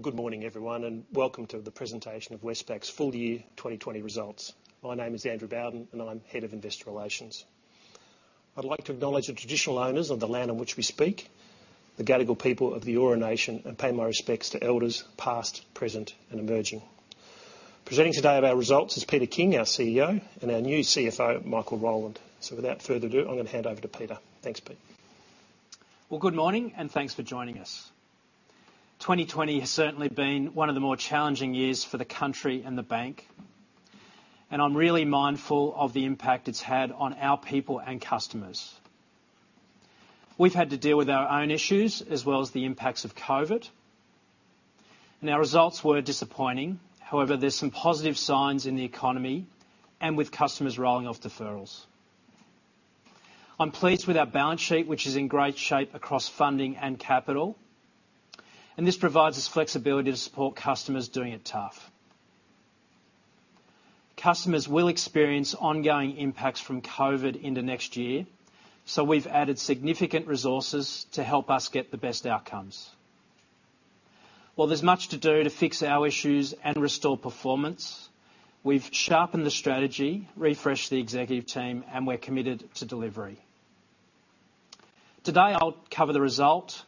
Good morning, everyone, and welcome to the presentation of Westpac's full year 2020 results. My name is Andrew Bowden, and I'm head of investor relations. I'd like to acknowledge the traditional owners of the land on which we speak, the Gadigal people of the Eora Nation, and pay my respects to elders past, present, and emerging. Presenting today our results is Peter King, our CEO, and our new CFO, Michael Rowland. So without further ado, I'm going to hand over to Peter. Thanks, Peter. Good morning, and thanks for joining us. 2020 has certainly been one of the more challenging years for the country and the bank, and I'm really mindful of the impact it's had on our people and customers. We've had to deal with our own issues as well as the impacts of COVID, and our results were disappointing. However, there are some positive signs in the economy and with customers rolling off deferrals. I'm pleased with our balance sheet, which is in great shape across funding and capital, and this provides us flexibility to support customers doing it tough. Customers will experience ongoing impacts from COVID into next year, so we've added significant resources to help us get the best outcomes. While there's much to do to fix our issues and restore performance, we've sharpened the strategy, refreshed the executive team, and we're committed to delivery. Today, I'll cover the result,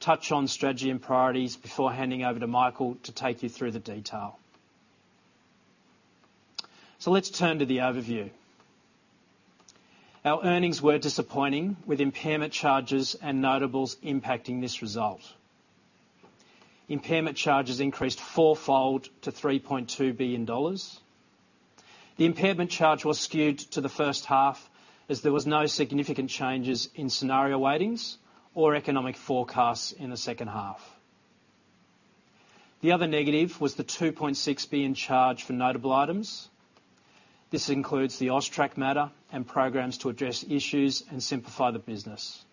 touch on strategy and priorities before handing over to Michael to take you through the detail. So let's turn to the overview. Our earnings were disappointing, with impairment charges and notables impacting this result. Impairment charges increased fourfold to 3.2 billion dollars. The impairment charge was skewed to the first half as there were no significant changes in scenario weightings or economic forecasts in the second half. The other negative was the 2.6 billion charge for notable items. This includes the AUSTRAC matter and programs to address issues and simplify the business.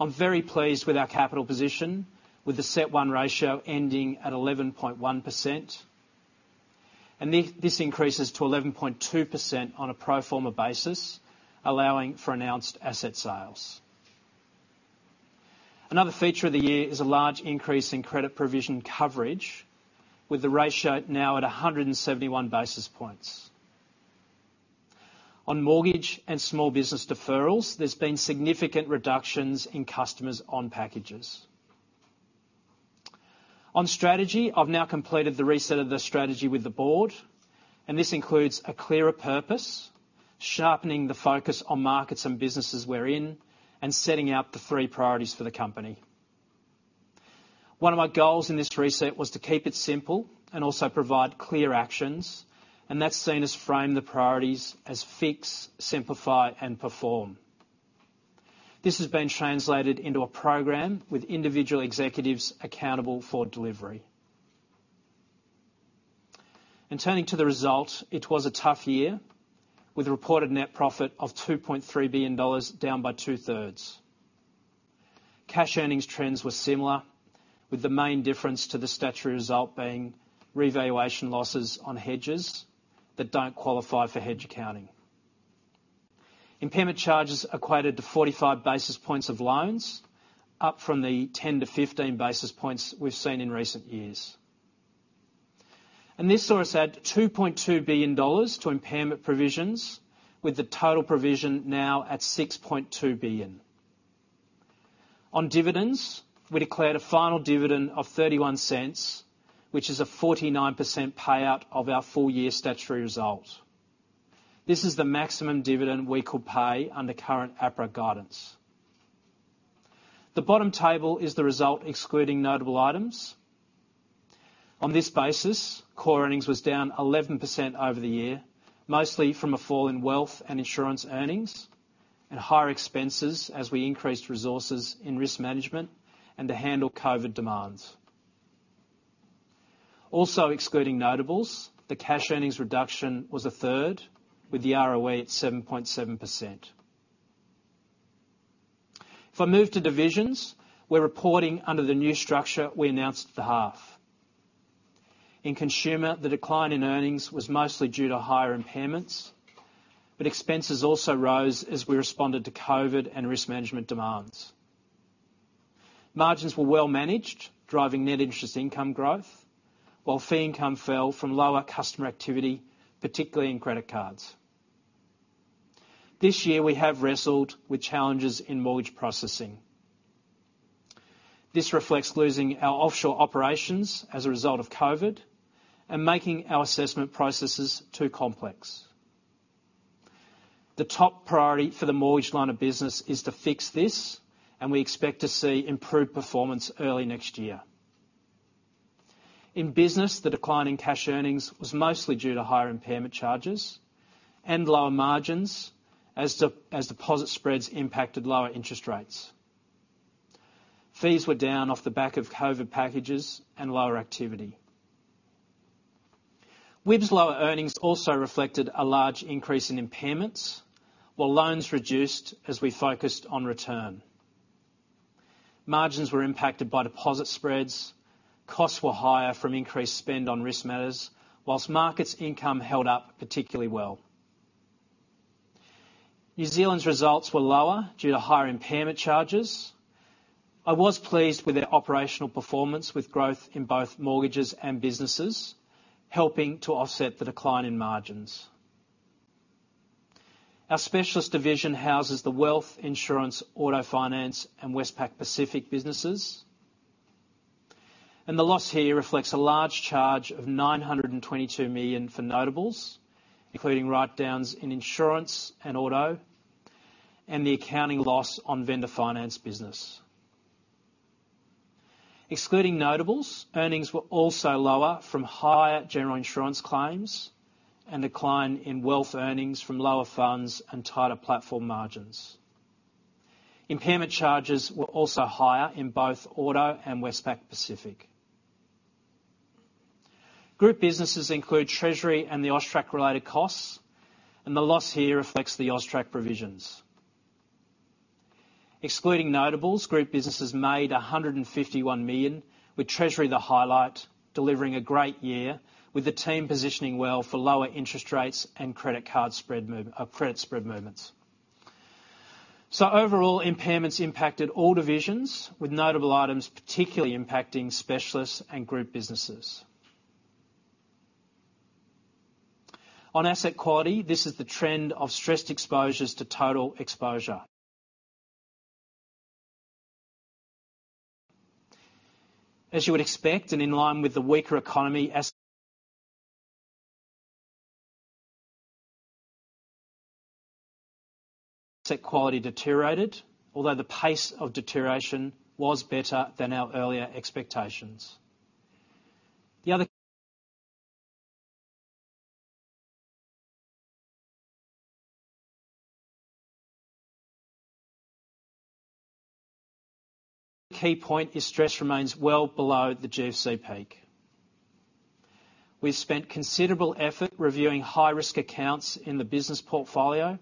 I'm very pleased with our capital position, with the CET1 ratio ending at 11.1%, and this increases to 11.2% on a pro forma basis, allowing for announced asset sales. Another feature of the year is a large increase in credit provision coverage, with the ratio now at 171 basis points. On mortgage and small business deferrals, there's been significant reductions in customers on packages. On strategy, I've now completed the reset of the strategy with the board, and this includes a clearer purpose, sharpening the focus on markets and businesses we're in, and setting out the three priorities for the company. One of my goals in this reset was to keep it simple and also provide clear actions, and that's seen as framing the priorities as fix, simplify, and perform. This has been translated into a program with individual executives accountable for delivery. Turning to the result, it was a tough year with a reported net profit of 2.3 billion dollars, down by two-thirds. Cash earnings trends were similar, with the main difference to the statutory result being revaluation losses on hedges that don't qualify for hedge accounting. Impairment charges equated to 45 basis points of loans, up from the 10-15 basis points we've seen in recent years. And this saw us add 2.2 billion dollars to impairment provisions, with the total provision now at 6.2 billion. On dividends, we declared a final dividend of 0.31, which is a 49% payout of our full year statutory result. This is the maximum dividend we could pay under current APRA guidance. The bottom table is the result excluding notable items. On this basis, core earnings was down 11% over the year, mostly from a fall in wealth and insurance earnings and higher expenses as we increased resources in risk management and to handle COVID demands. Also excluding notables, the cash earnings reduction was a third, with the ROE at 7.7%. If I move to divisions, we're reporting under the new structure we announced at the half. In consumer, the decline in earnings was mostly due to higher impairments, but expenses also rose as we responded to COVID and risk management demands. Margins were well managed, driving net interest income growth, while fee income fell from lower customer activity, particularly in credit cards. This year, we have wrestled with challenges in mortgage processing. This reflects losing our offshore operations as a result of COVID and making our assessment processes too complex. The top priority for the mortgage lender business is to fix this, and we expect to see improved performance early next year. In business, the decline in cash earnings was mostly due to higher impairment charges and lower margins as deposit spreads impacted lower interest rates. Fees were down off the back of COVID packages and lower activity. WIB's lower earnings also reflected a large increase in impairments, while loans reduced as we focused on return. Margins were impacted by deposit spreads. Costs were higher from increased spend on risk matters, while markets' income held up particularly well. New Zealand's results were lower due to higher impairment charges. I was pleased with their operational performance, with growth in both mortgages and businesses helping to offset the decline in margins. Our Specialist division houses the wealth, insurance, auto finance, and Westpac Pacific businesses, and the loss here reflects a large charge of 922 million for notables, including write-downs in insurance and auto and the accounting loss on vendor finance business. Excluding notables, earnings were also lower from higher general insurance claims and decline in wealth earnings from lower funds and tighter platform margins. Impairment charges were also higher in both auto and Westpac Pacific. Group businesses include Treasury and the AUSTRAC-related costs, and the loss here reflects the AUSTRAC provisions. Excluding notables, group businesses made 151 million, with Treasury the highlight, delivering a great year, with the team positioning well for lower interest rates and credit spread movements. So overall, impairments impacted all divisions, with notable items particularly impacting specialists and group businesses. On asset quality, this is the trend of stressed exposures to total exposure. As you would expect, and in line with the weaker economy, asset quality deteriorated, although the pace of deterioration was better than our earlier expectations. The other key point is stress remains well below the GFC peak. We've spent considerable effort reviewing high-risk accounts in the business portfolio.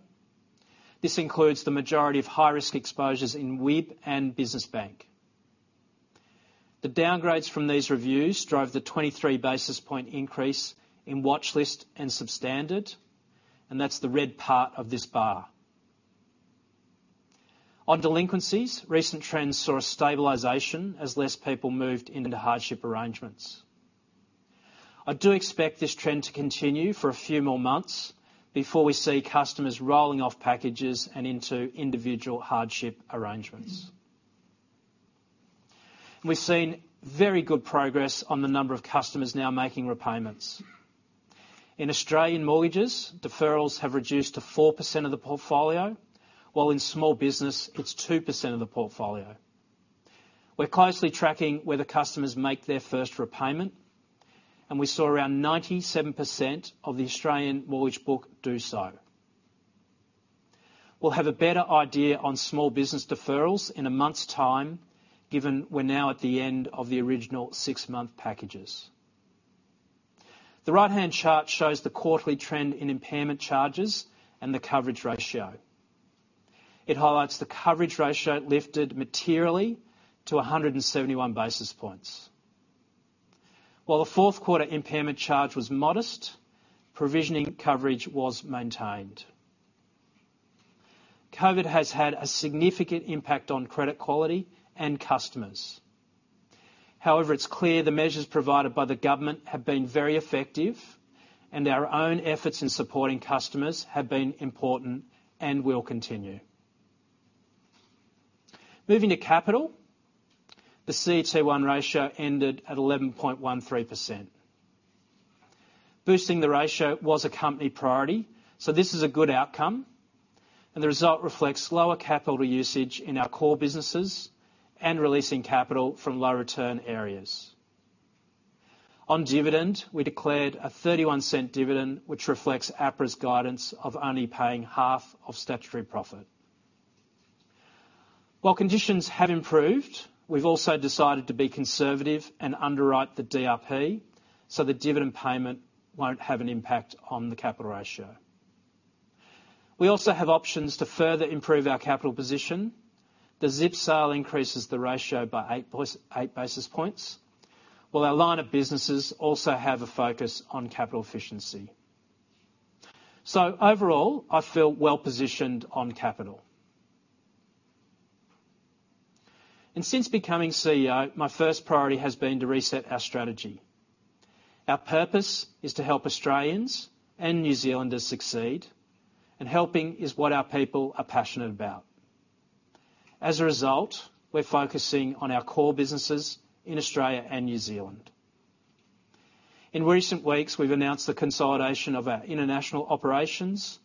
This includes the majority of high-risk exposures in WIB and business bank. The downgrades from these reviews drove the 23 basis point increase in watchlist and substandard, and that's the red part of this bar. On delinquencies, recent trends saw a stabilization as less people moved into hardship arrangements. I do expect this trend to continue for a few more months before we see customers rolling off packages and into individual hardship arrangements. We've seen very good progress on the number of customers now making repayments. In Australian mortgages, deferrals have reduced to 4% of the portfolio, while in small business, it's 2% of the portfolio. We're closely tracking whether customers make their first repayment, and we saw around 97% of the Australian mortgage book do so. We'll have a better idea on small business deferrals in a month's time, given we're now at the end of the original six-month packages. The right-hand chart shows the quarterly trend in impairment charges and the coverage ratio. It highlights the coverage ratio lifted materially to 171 basis points. While the fourth quarter impairment charge was modest, provisioning coverage was maintained. COVID has had a significant impact on credit quality and customers. However, it's clear the measures provided by the government have been very effective, and our own efforts in supporting customers have been important and will continue. Moving to capital, the CET1 ratio ended at 11.13%. Boosting the ratio was a company priority, so this is a good outcome, and the result reflects lower capital usage in our core businesses and releasing capital from low-return areas. On dividend, we declared an 0.31 dividend, which reflects APRA's guidance of only paying half of statutory profit. While conditions have improved, we've also decided to be conservative and underwrite the DRP so the dividend payment won't have an impact on the capital ratio. We also have options to further improve our capital position. The Zip sale increases the ratio by eight basis points, while our line of businesses also have a focus on capital efficiency. So overall, I feel well positioned on capital. And since becoming CEO, my first priority has been to reset our strategy. Our purpose is to help Australians and New Zealanders succeed, and helping is what our people are passionate about. As a result, we're focusing on our core businesses in Australia and New Zealand. In recent weeks, we've announced the consolidation of our international operations,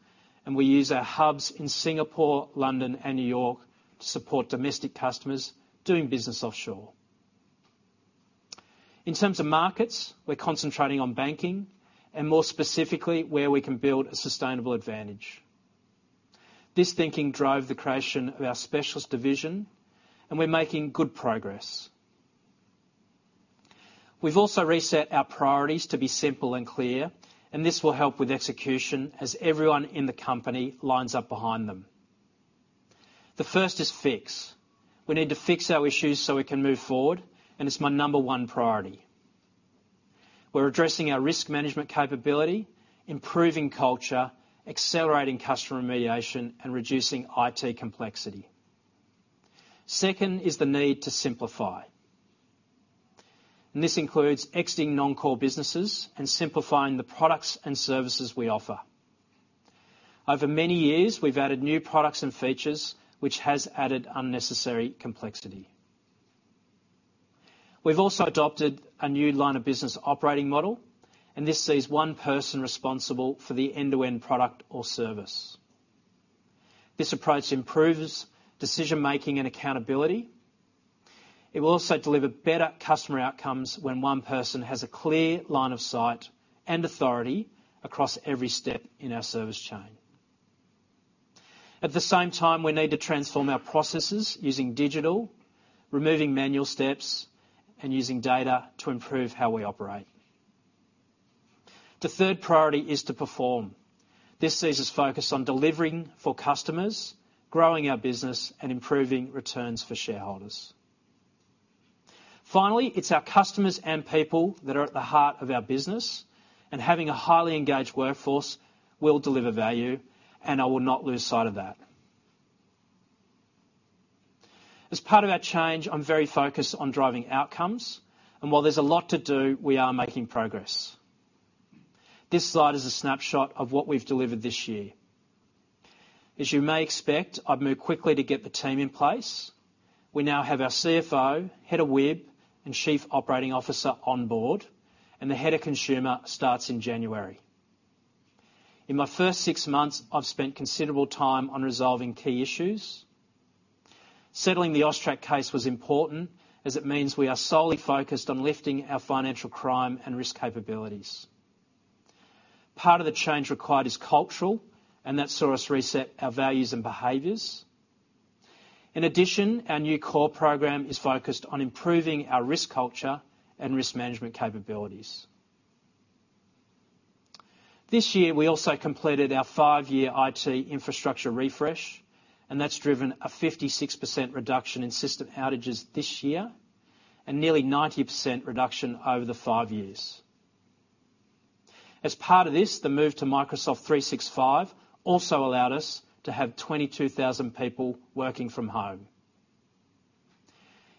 and we use our hubs in Singapore, London, and New York to support domestic customers doing business offshore. In terms of markets, we're concentrating on banking and, more specifically, where we can build a sustainable advantage. This thinking drove the creation of our specialist division, and we're making good progress. We've also reset our priorities to be simple and clear, and this will help with execution as everyone in the company lines up behind them. The first is fix. We need to fix our issues so we can move forward, and it's my number one priority. We're addressing our risk management capability, improving culture, accelerating customer remediation, and reducing IT complexity. Second is the need to simplify, and this includes exiting non-core businesses and simplifying the products and services we offer. Over many years, we've added new products and features, which has added unnecessary complexity. We've also adopted a new line of business operating model, and this sees one person responsible for the end-to-end product or service. This approach improves decision-making and accountability. It will also deliver better customer outcomes when one person has a clear line of sight and authority across every step in our service chain. At the same time, we need to transform our processes using digital, removing manual steps, and using data to improve how we operate. The third priority is to perform. This sees us focus on delivering for customers, growing our business, and improving returns for shareholders. Finally, it's our customers and people that are at the heart of our business, and having a highly engaged workforce will deliver value, and I will not lose sight of that. As part of our change, I'm very focused on driving outcomes, and while there's a lot to do, we are making progress. This slide is a snapshot of what we've delivered this year. As you may expect, I've moved quickly to get the team in place. We now have our CFO, Head of WIB, and Chief Operating Officer on board, and the Head of Consumer starts in January. In my first six months, I've spent considerable time on resolving key issues. Settling the AUSTRAC case was important, as it means we are solely focused on lifting our financial crime and risk capabilities. Part of the change required is cultural, and that saw us reset our values and behaviors. In addition, our new CORE program is focused on improving our risk culture and risk management capabilities. This year, we also completed our five-year IT infrastructure refresh, and that's driven a 56% reduction in system outages this year and nearly 90% reduction over the five years. As part of this, the move to Microsoft 365 also allowed us to have 22,000 people working from home.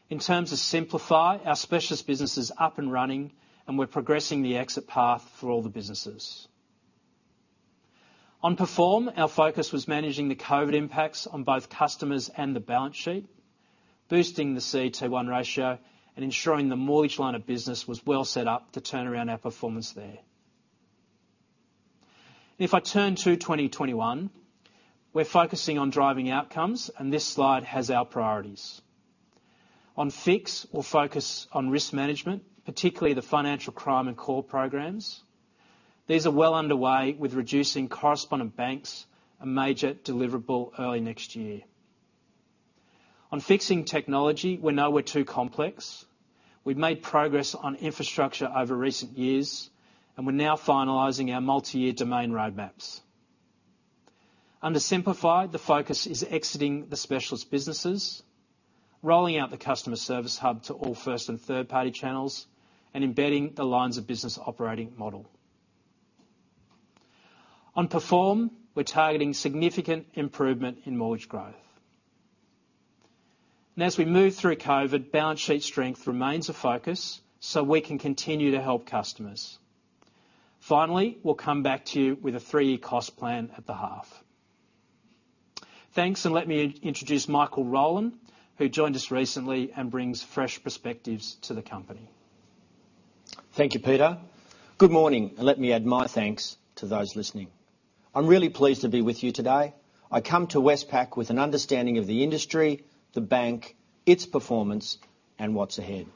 In terms of simplify, our specialist business is up and running, and we're progressing the exit path for all the businesses. On perform, our focus was managing the COVID impacts on both customers and the balance sheet, boosting the CET1 ratio and ensuring the mortgage lender business was well set up to turn around our performance there. If I turn to 2021, we're focusing on driving outcomes, and this slide has our priorities. On fix, we'll focus on risk management, particularly the financial crime and CORE programs. These are well underway, with reducing correspondent banks a major deliverable early next year. On fixing technology, we know we're too complex. We've made progress on infrastructure over recent years, and we're now finalizing our multi-year domain roadmaps. Under simplify, the focus is exiting the specialist businesses, rolling out the Customer Service Hub to all first and third-party channels, and embedding the lines of business operating model. On perform, we're targeting significant improvement in mortgage growth. And as we move through COVID, balance sheet strength remains a focus so we can continue to help customers. Finally, we'll come back to you with a three-year cost plan at the half. Thanks, and let me introduce Michael Rowland, who joined us recently and brings fresh perspectives to the company. Thank you, Peter. Good morning, and let me add my thanks to those listening. I'm really pleased to be with you today. I come to Westpac with an understanding of the industry, the bank, its performance, and what's ahead.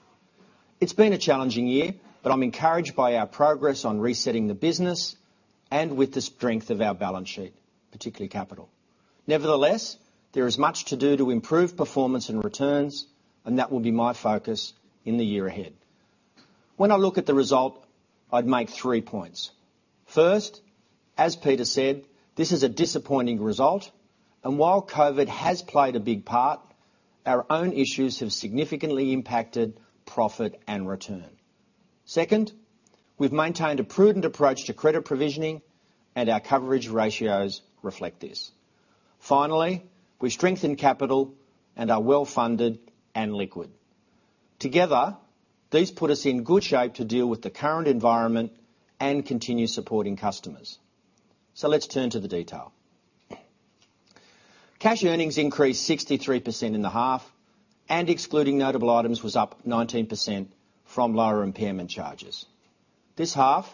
It's been a challenging year, but I'm encouraged by our progress on resetting the business and with the strength of our balance sheet, particularly capital. Nevertheless, there is much to do to improve performance and returns, and that will be my focus in the year ahead. When I look at the result, I'd make three points. First, as Peter said, this is a disappointing result, and while COVID has played a big part, our own issues have significantly impacted profit and return. Second, we've maintained a prudent approach to credit provisioning, and our coverage ratios reflect this. Finally, we strengthened capital and are well funded and liquid. Together, these put us in good shape to deal with the current environment and continue supporting customers. So let's turn to the detail. Cash earnings increased 63% in the half, and excluding notable items was up 19% from lower impairment charges. This half,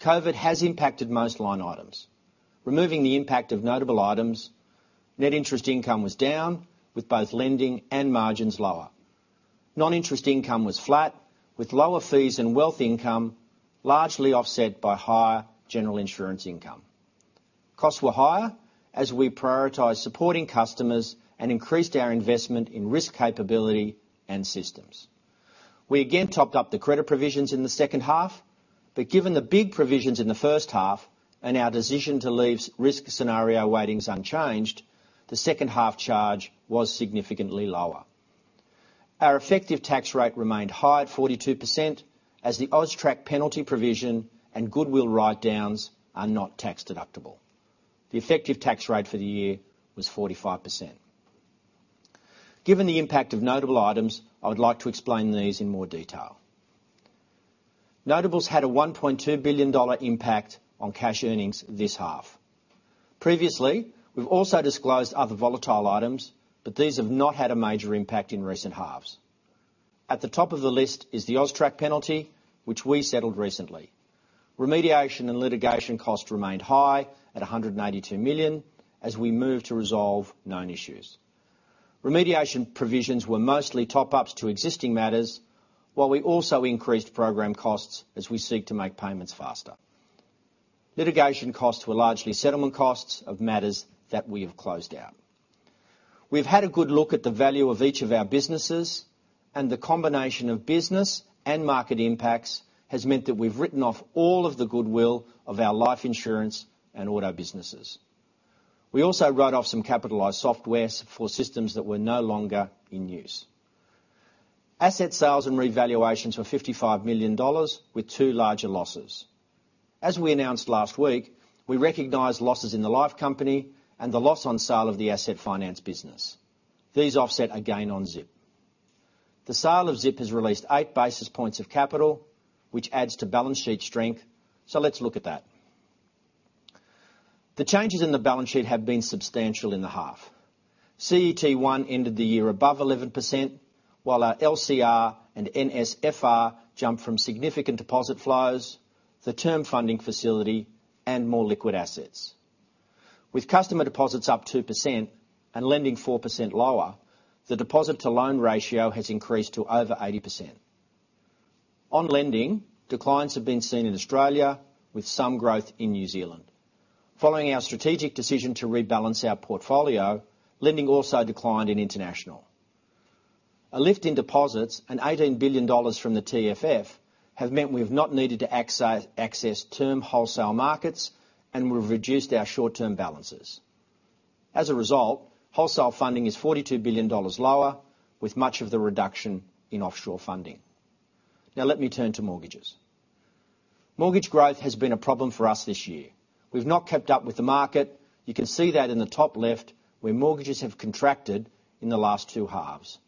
COVID has impacted most line items. Removing the impact of notable items, net interest income was down, with both lending and margins lower. Non-interest income was flat, with lower fees and wealth income largely offset by higher general insurance income. Costs were higher as we prioritized supporting customers and increased our investment in risk capability and systems. We again topped up the credit provisions in the second half, but given the big provisions in the first half and our decision to leave risk scenario weightings unchanged, the second half charge was significantly lower. Our effective tax rate remained high at 42% as the AUSTRAC penalty provision and goodwill write-downs are not tax deductible. The effective tax rate for the year was 45%. Given the impact of notable items, I would like to explain these in more detail. Notables had a 1.2 billion dollar impact on cash earnings this half. Previously, we've also disclosed other volatile items, but these have not had a major impact in recent halves. At the top of the list is the AUSTRAC penalty, which we settled recently. Remediation and litigation costs remained high at 182 million as we moved to resolve known issues. Remediation provisions were mostly top-ups to existing matters, while we also increased program costs as we seek to make payments faster. Litigation costs were largely settlement costs of matters that we have closed out. We've had a good look at the value of each of our businesses, and the combination of business and market impacts has meant that we've written off all of the goodwill of our life insurance and auto businesses. We also wrote off some capitalized software for systems that were no longer in use. Asset sales and revaluations were 55 million dollars, with two larger losses. As we announced last week, we recognised losses in the life company and the loss on sale of the asset finance business. These offset again on Zip. The sale of Zip has released eight basis points of capital, which adds to balance sheet strength, so let's look at that. The changes in the balance sheet have been substantial in the half. CET1 ended the year above 11%, while our LCR and NSFR jumped from significant deposit flows, the term funding facility, and more liquid assets. With customer deposits up 2% and lending 4% lower, the deposit-to-loan ratio has increased to over 80%. On lending, declines have been seen in Australia, with some growth in New Zealand. Following our strategic decision to rebalance our portfolio, lending also declined in international. A lift in deposits, and 18 billion dollars from the TFF, have meant we have not needed to access term wholesale markets and we've reduced our short-term balances. As a result, wholesale funding is AUD 42 billion lower, with much of the reduction in offshore funding. Now let me turn to mortgages. Mortgage growth has been a problem for us this year. We've not kept up with the market. You can see that in the top left where mortgages have contracted in the last two halves.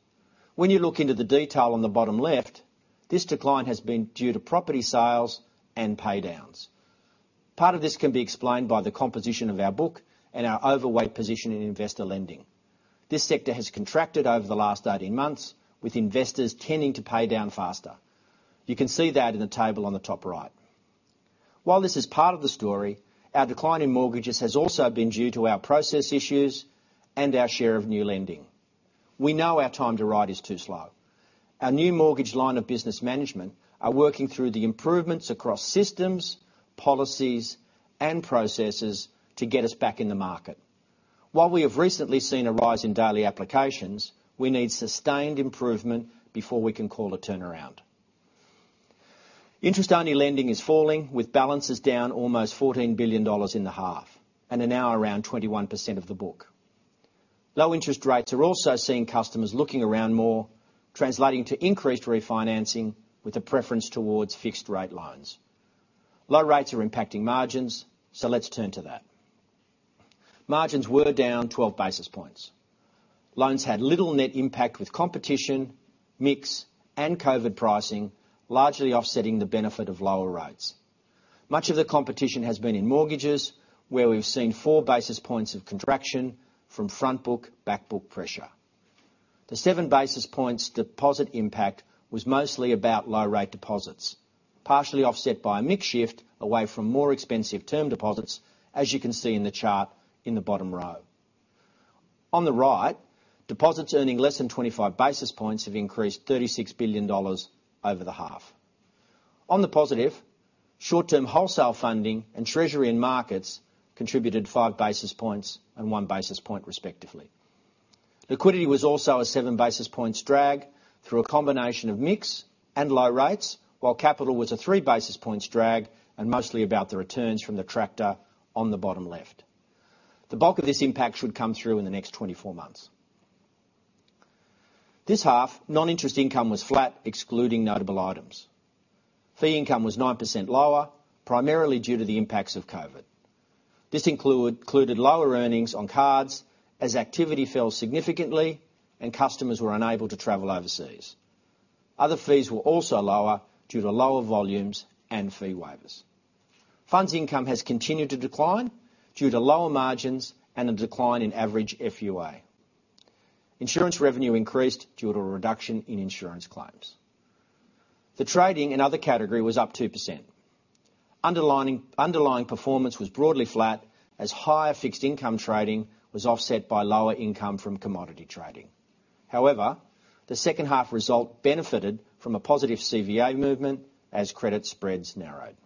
When you look into the detail on the bottom left, this decline has been due to property sales and paydowns. Part of this can be explained by the composition of our book and our overweight position in investor lending. This sector has contracted over the last 18 months, with investors tending to pay down faster. You can see that in the table on the top right. While this is part of the story, our decline in mortgages has also been due to our process issues and our share of new lending. We know our time to reprice is too slow. Our new mortgage line of business management is working through the improvements across systems, policies, and processes to get us back in the market. While we have recently seen a rise in daily applications, we need sustained improvement before we can call a turnaround. Interest-only lending is falling, with balances down almost 14 billion dollars in the half and are now around 21% of the book. Low interest rates are also seeing customers looking around more, translating to increased refinancing with a preference towards fixed-rate loans. Low rates are impacting margins, so let's turn to that. Margins were down 12 basis points. Loans had little net impact with competition, mix, and COVID pricing, largely offsetting the benefit of lower rates. Much of the competition has been in mortgages, where we've seen four basis points of contraction from front-book, back-book pressure. The seven basis points deposit impact was mostly about low-rate deposits, partially offset by a mix shift away from more expensive term deposits, as you can see in the chart in the bottom row. On the right, deposits earning less than 25 basis points have increased 36 billion dollars over the half. On the positive, short-term wholesale funding and treasury and markets contributed five basis points and one basis point, respectively. Liquidity was also a seven-basis-points drag through a combination of mix and low rates, while capital was a three-basis-points drag and mostly about the returns from the Tractor on the bottom left. The bulk of this impact should come through in the next 24 months. This half, non-interest income was flat, excluding notable items. Fee income was 9% lower, primarily due to the impacts of COVID. This included lower earnings on cards as activity fell significantly and customers were unable to travel overseas. Other fees were also lower due to lower volumes and fee waivers. Funds income has continued to decline due to lower margins and a decline in average FUA. Insurance revenue increased due to a reduction in insurance claims. The trading in other category was up 2%. Underlying performance was broadly flat as higher fixed-income trading was offset by lower income from commodity trading. However, the second-half result benefited from a positive CVA movement as credit spreads narrowed.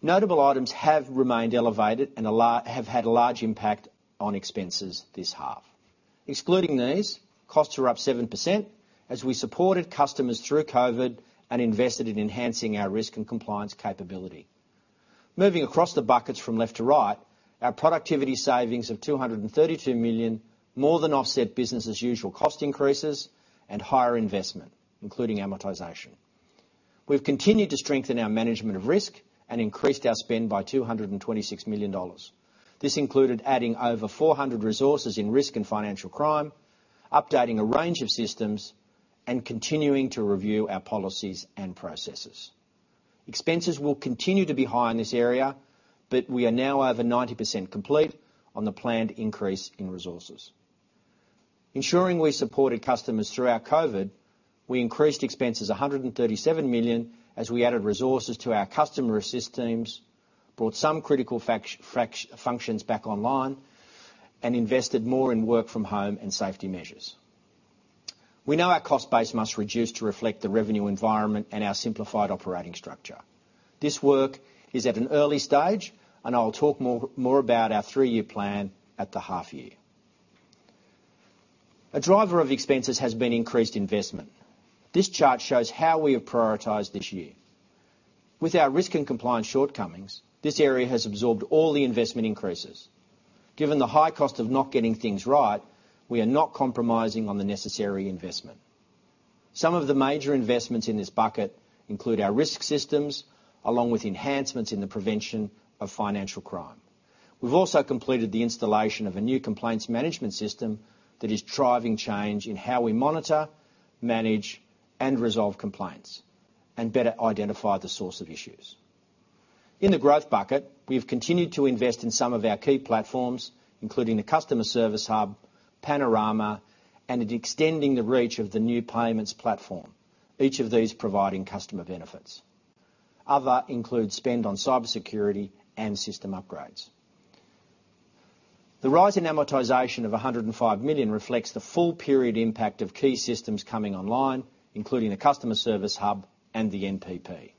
Notable items have remained elevated and have had a large impact on expenses this half. Excluding these, costs are up 7% as we supported customers through COVID and invested in enhancing our risk and compliance capability. Moving across the buckets from left to right, our productivity savings of 232 million more than offset business-as-usual cost increases and higher investment, including amortization. We've continued to strengthen our management of risk and increased our spend by 226 million dollars. This included adding over 400 resources in risk and financial crime, updating a range of systems, and continuing to review our policies and processes. Expenses will continue to be high in this area, but we are now over 90% complete on the planned increase in resources. Ensuring we supported customers throughout COVID, we increased expenses 137 million as we added resources to our customer assist teams, brought some critical functions back online, and invested more in work from home and safety measures. We know our cost base must reduce to reflect the revenue environment and our simplified operating structure. This work is at an early stage, and I'll talk more about our three-year plan at the half year. A driver of expenses has been increased investment. This chart shows how we have prioritised this year. With our risk and compliance shortcomings, this area has absorbed all the investment increases. Given the high cost of not getting things right, we are not compromising on the necessary investment. Some of the major investments in this bucket include our risk systems, along with enhancements in the prevention of financial crime. We've also completed the installation of a new complaints management system that is driving change in how we monitor, manage, and resolve complaints and better identify the source of issues. In the growth bucket, we have continued to invest in some of our key platforms, including the Customer Service Hub, Panorama, and extending the reach of the New Payments Platform, each of these providing customer benefits. Others include spend on cybersecurity and system upgrades. The rise in amortization of 105 million reflects the full period impact of key systems coming online, including the Customer Service Hub and the NPP.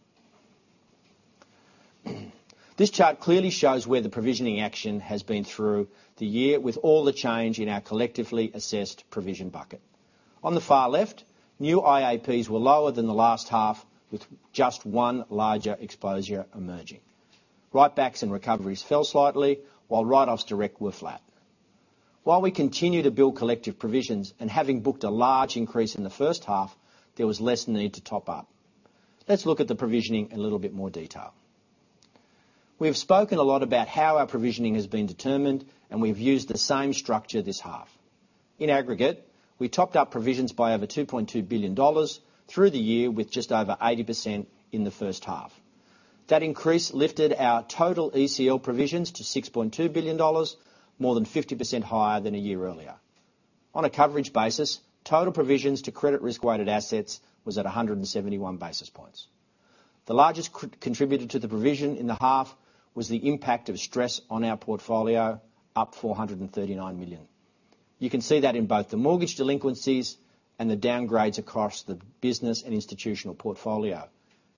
This chart clearly shows where the provisioning action has been through the year with all the change in our collective provision bucket. On the far left, new IAPs were lower than the last half, with just one larger exposure emerging. Rebooks and recoveries fell slightly, while direct write-offs were flat. While we continue to build collective provisions and having booked a large increase in the first half, there was less need to top up. Let's look at the provisioning in a little bit more detail. We have spoken a lot about how our provisioning has been determined, and we've used the same structure this half. In aggregate, we topped up provisions by over 2.2 billion dollars through the year with just over 80% in the first half. That increase lifted our total ECL provisions to 6.2 billion dollars, more than 50% higher than a year earlier. On a coverage basis, total provisions to credit risk-weighted assets was at 171 basis points. The largest contributor to the provision in the half was the impact of stress on our portfolio, up 439 million. You can see that in both the mortgage delinquencies and the downgrades across the business and institutional portfolio,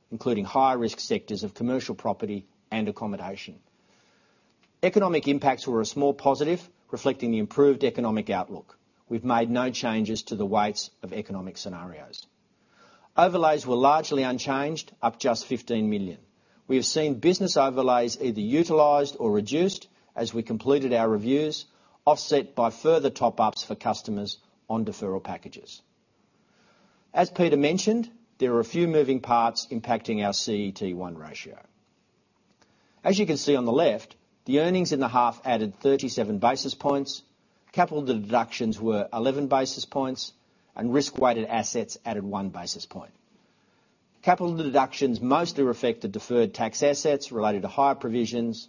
including high-risk sectors of commercial property and accommodation. Economic impacts were a small positive, reflecting the improved economic outlook. We've made no changes to the weights of economic scenarios. Overlays were largely unchanged, up just 15 million. We have seen business overlays either utilised or reduced as we completed our reviews, offset by further top-ups for customers on deferral packages. As Peter mentioned, there are a few moving parts impacting our CET1 ratio. As you can see on the left, the earnings in the half added 37 basis points, capital deductions were 11 basis points, and risk-weighted assets added one basis point. Capital deductions mostly reflected deferred tax assets related to higher provisions,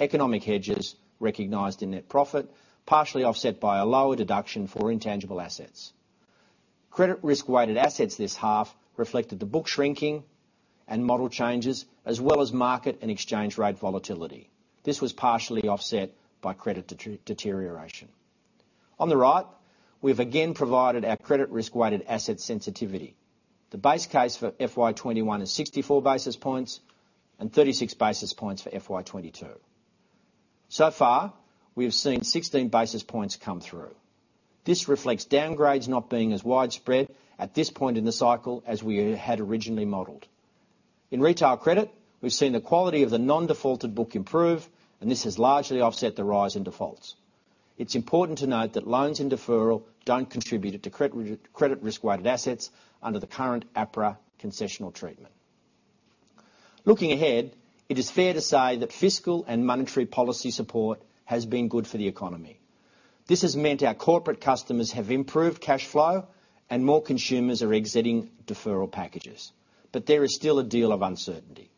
economic hedges recognised in net profit, partially offset by a lower deduction for intangible assets. Credit risk-weighted assets this half reflected the book shrinking and model changes, as well as market and exchange rate volatility. This was partially offset by credit deterioration. On the right, we have again provided our credit risk-weighted asset sensitivity. The base case for FY21 is 64 basis points and 36 basis points for FY22. So far, we have seen 16 basis points come through. This reflects downgrades not being as widespread at this point in the cycle as we had originally modeled. In retail credit, we've seen the quality of the non-defaulted book improve, and this has largely offset the rise in defaults. It's important to note that loans in deferral don't contribute to credit risk-weighted assets under the current APRA concessional treatment. Looking ahead, it is fair to say that fiscal and monetary policy support has been good for the economy. This has meant our corporate customers have improved cash flow, and more consumers are exiting deferral packages. But there is still a deal of uncertainty.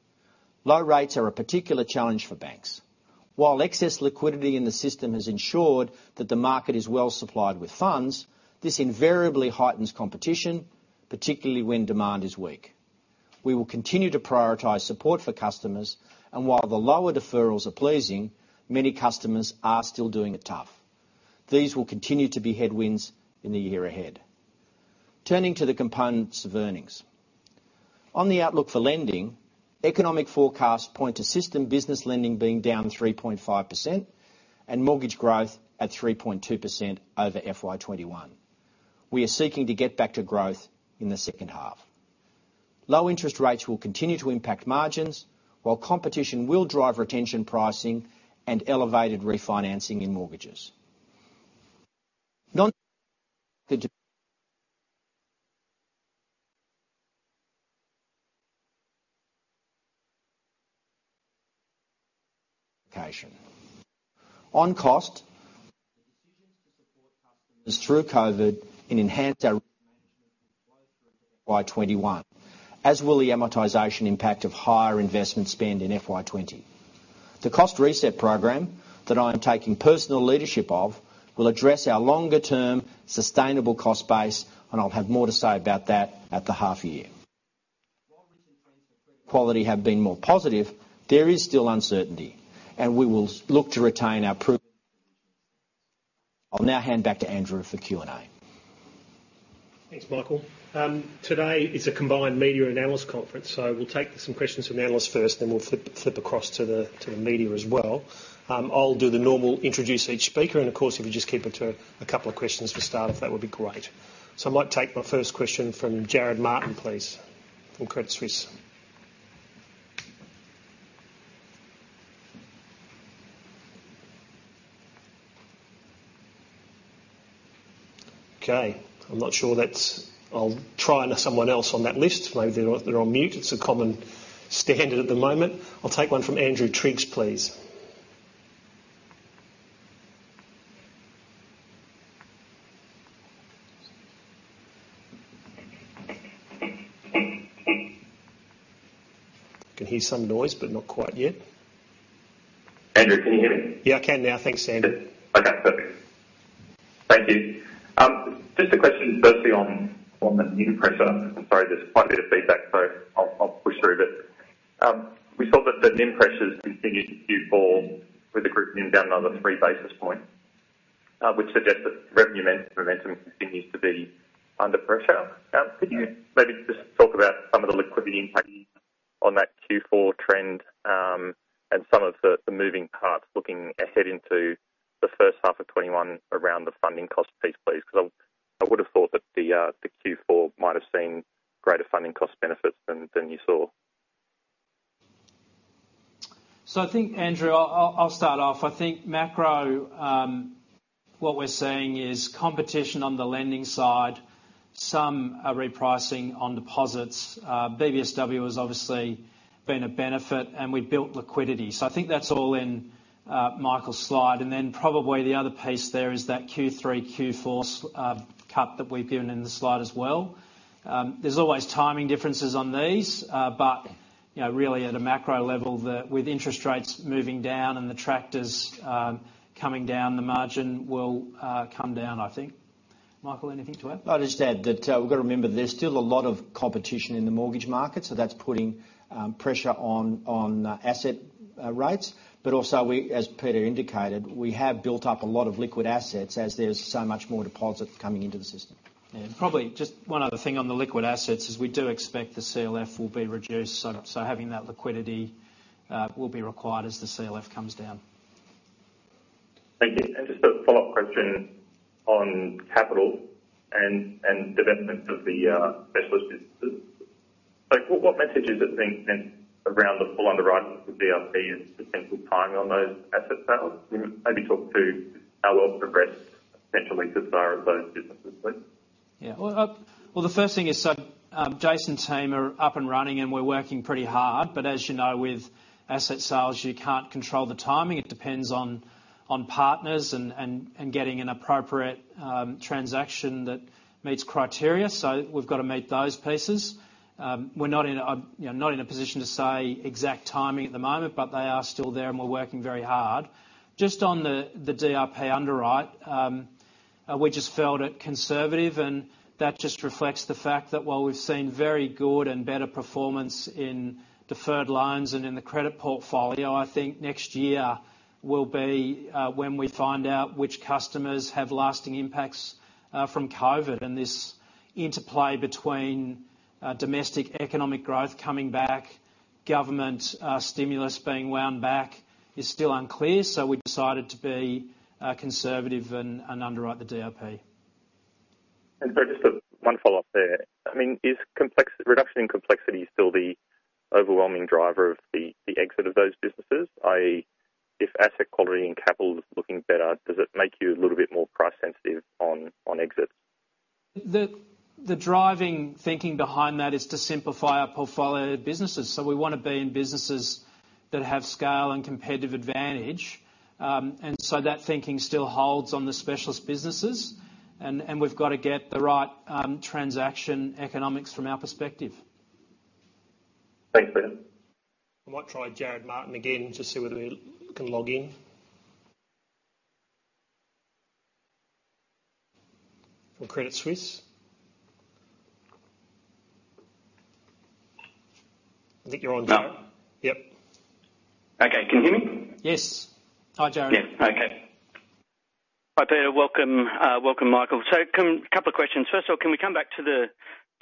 Low rates are a particular challenge for banks. While excess liquidity in the system has ensured that the market is well supplied with funds, this invariably heightens competition, particularly when demand is weak. We will continue to prioritize support for customers, and while the lower deferrals are pleasing, many customers are still doing it tough. These will continue to be headwinds in the year ahead. Turning to the components of earnings. On the outlook for lending, economic forecasts point to system business lending being down 3.5% and mortgage growth at 3.2% over FY21. We are seeking to get back to growth in the second half. Low interest rates will continue to impact margins, while competition will drive retention pricing and elevated refinancing in mortgages. On cost. The decisions to support customers through COVID and enhance our risk management will flow through to FY21, as will the amortization impact of higher investment spend in FY20. The cost reset program that I am taking personal leadership of will address our longer-term sustainable cost base, and I'll have more to say about that at the half year. While recent trends for credit quality have been more positive, there is still uncertainty, and we will look to retain our proven provisional standards. I'll now hand back to Andrew for Q&A. Thanks, Michael. Today is a combined media and analyst conference, so we'll take some questions from the analysts first, then we'll flip across to the media as well. I'll do the normal introduce each speaker, and of course, if you just keep it to a couple of questions for start-off, that would be great. So I might take my first question from Jarrod Martin, please, from Credit Suisse. Okay. I'm not sure that's. I'll try someone else on that list. Maybe they're on mute. It's a common standard at the moment. I'll take one from Andrew Triggs, please. I can hear some noise, but not quite yet. Andrew, can you hear me? Yeah, I can now. Thanks, Sam. Okay, perfect. Thank you. Just a question firstly on the NIM pressure. I'm sorry, there's quite a bit of feedback, so I'll push through a bit. We saw that the NIM pressures continued to Q4 with the group NIM down another three basis points, which suggests that revenue momentum continues to be under pressure. Could you maybe just talk about some of the liquidity impact on that Q4 trend and some of the moving parts looking ahead into the first half of 2021 around the funding cost piece, please? Because I would have thought that the Q4 might have seen greater funding cost benefits than you saw. So I think, Andrew, I'll start off. I think macro, what we're seeing is competition on the lending side, some repricing on deposits. BBSW has obviously been a benefit, and we've built liquidity. So I think that's all in Michael's slide. And then probably the other piece there is that Q3, Q4 cut that we've given in the slide as well. There's always timing differences on these, but really at a macro level, with interest rates moving down and the Tractor coming down, the margin will come down, I think. Michael, anything to add? I'd just add that we've got to remember there's still a lot of competition in the mortgage market, so that's putting pressure on asset rates. But also, as Peter indicated, we have built up a lot of liquid assets as there's so much more deposit coming into the system. And probably just one other thing on the liquid assets is we do expect the CLF will be reduced, so having that liquidity will be required as the CLF comes down. Thank you. And just a follow-up question on capital and development of the specialist businesses. What message is it being sent around the full underwriting for BRP and potential timing on those asset sales? Maybe talk to how well progressed potentially to start those businesses, please. Yeah. Well, the first thing is, so Jason's team are up and running, and we're working pretty hard. But as you know, with asset sales, you can't control the timing. It depends on partners and getting an appropriate transaction that meets criteria. So we've got to meet those pieces. We're not in a position to say exact timing at the moment, but they are still there, and we're working very hard. Just on the DRP underwrite, we just felt it conservative, and that just reflects the fact that while we've seen very good and better performance in deferred loans and in the credit portfolio, I think next year will be when we find out which customers have lasting impacts from COVID, and this interplay between domestic economic growth coming back, government stimulus being wound back is still unclear. So we decided to be conservative and underwrite the DRP. And just one follow-up there. I mean, is reduction in complexity still the overwhelming driver of the exit of those businesses? If asset quality and capital is looking better, does it make you a little bit more price-sensitive on exits? T he driving thinking behind that is to simplify our portfolio of businesses. So we want to be in businesses that have scale and competitive advantage. And so that thinking still holds on the specialist businesses, and we've got to get the right transaction economics from our perspective. Thanks, Peter. I might try Jarrod Martin again to see whether we can log in from Credit Suisse. I think you're on, Jarrod. Yep. Okay. Can you hear me? Yes. Hi, Jarrod. Yeah. Okay. Hi, Peter. Welcome, Michael. So a couple of questions. First of all, can we come back to the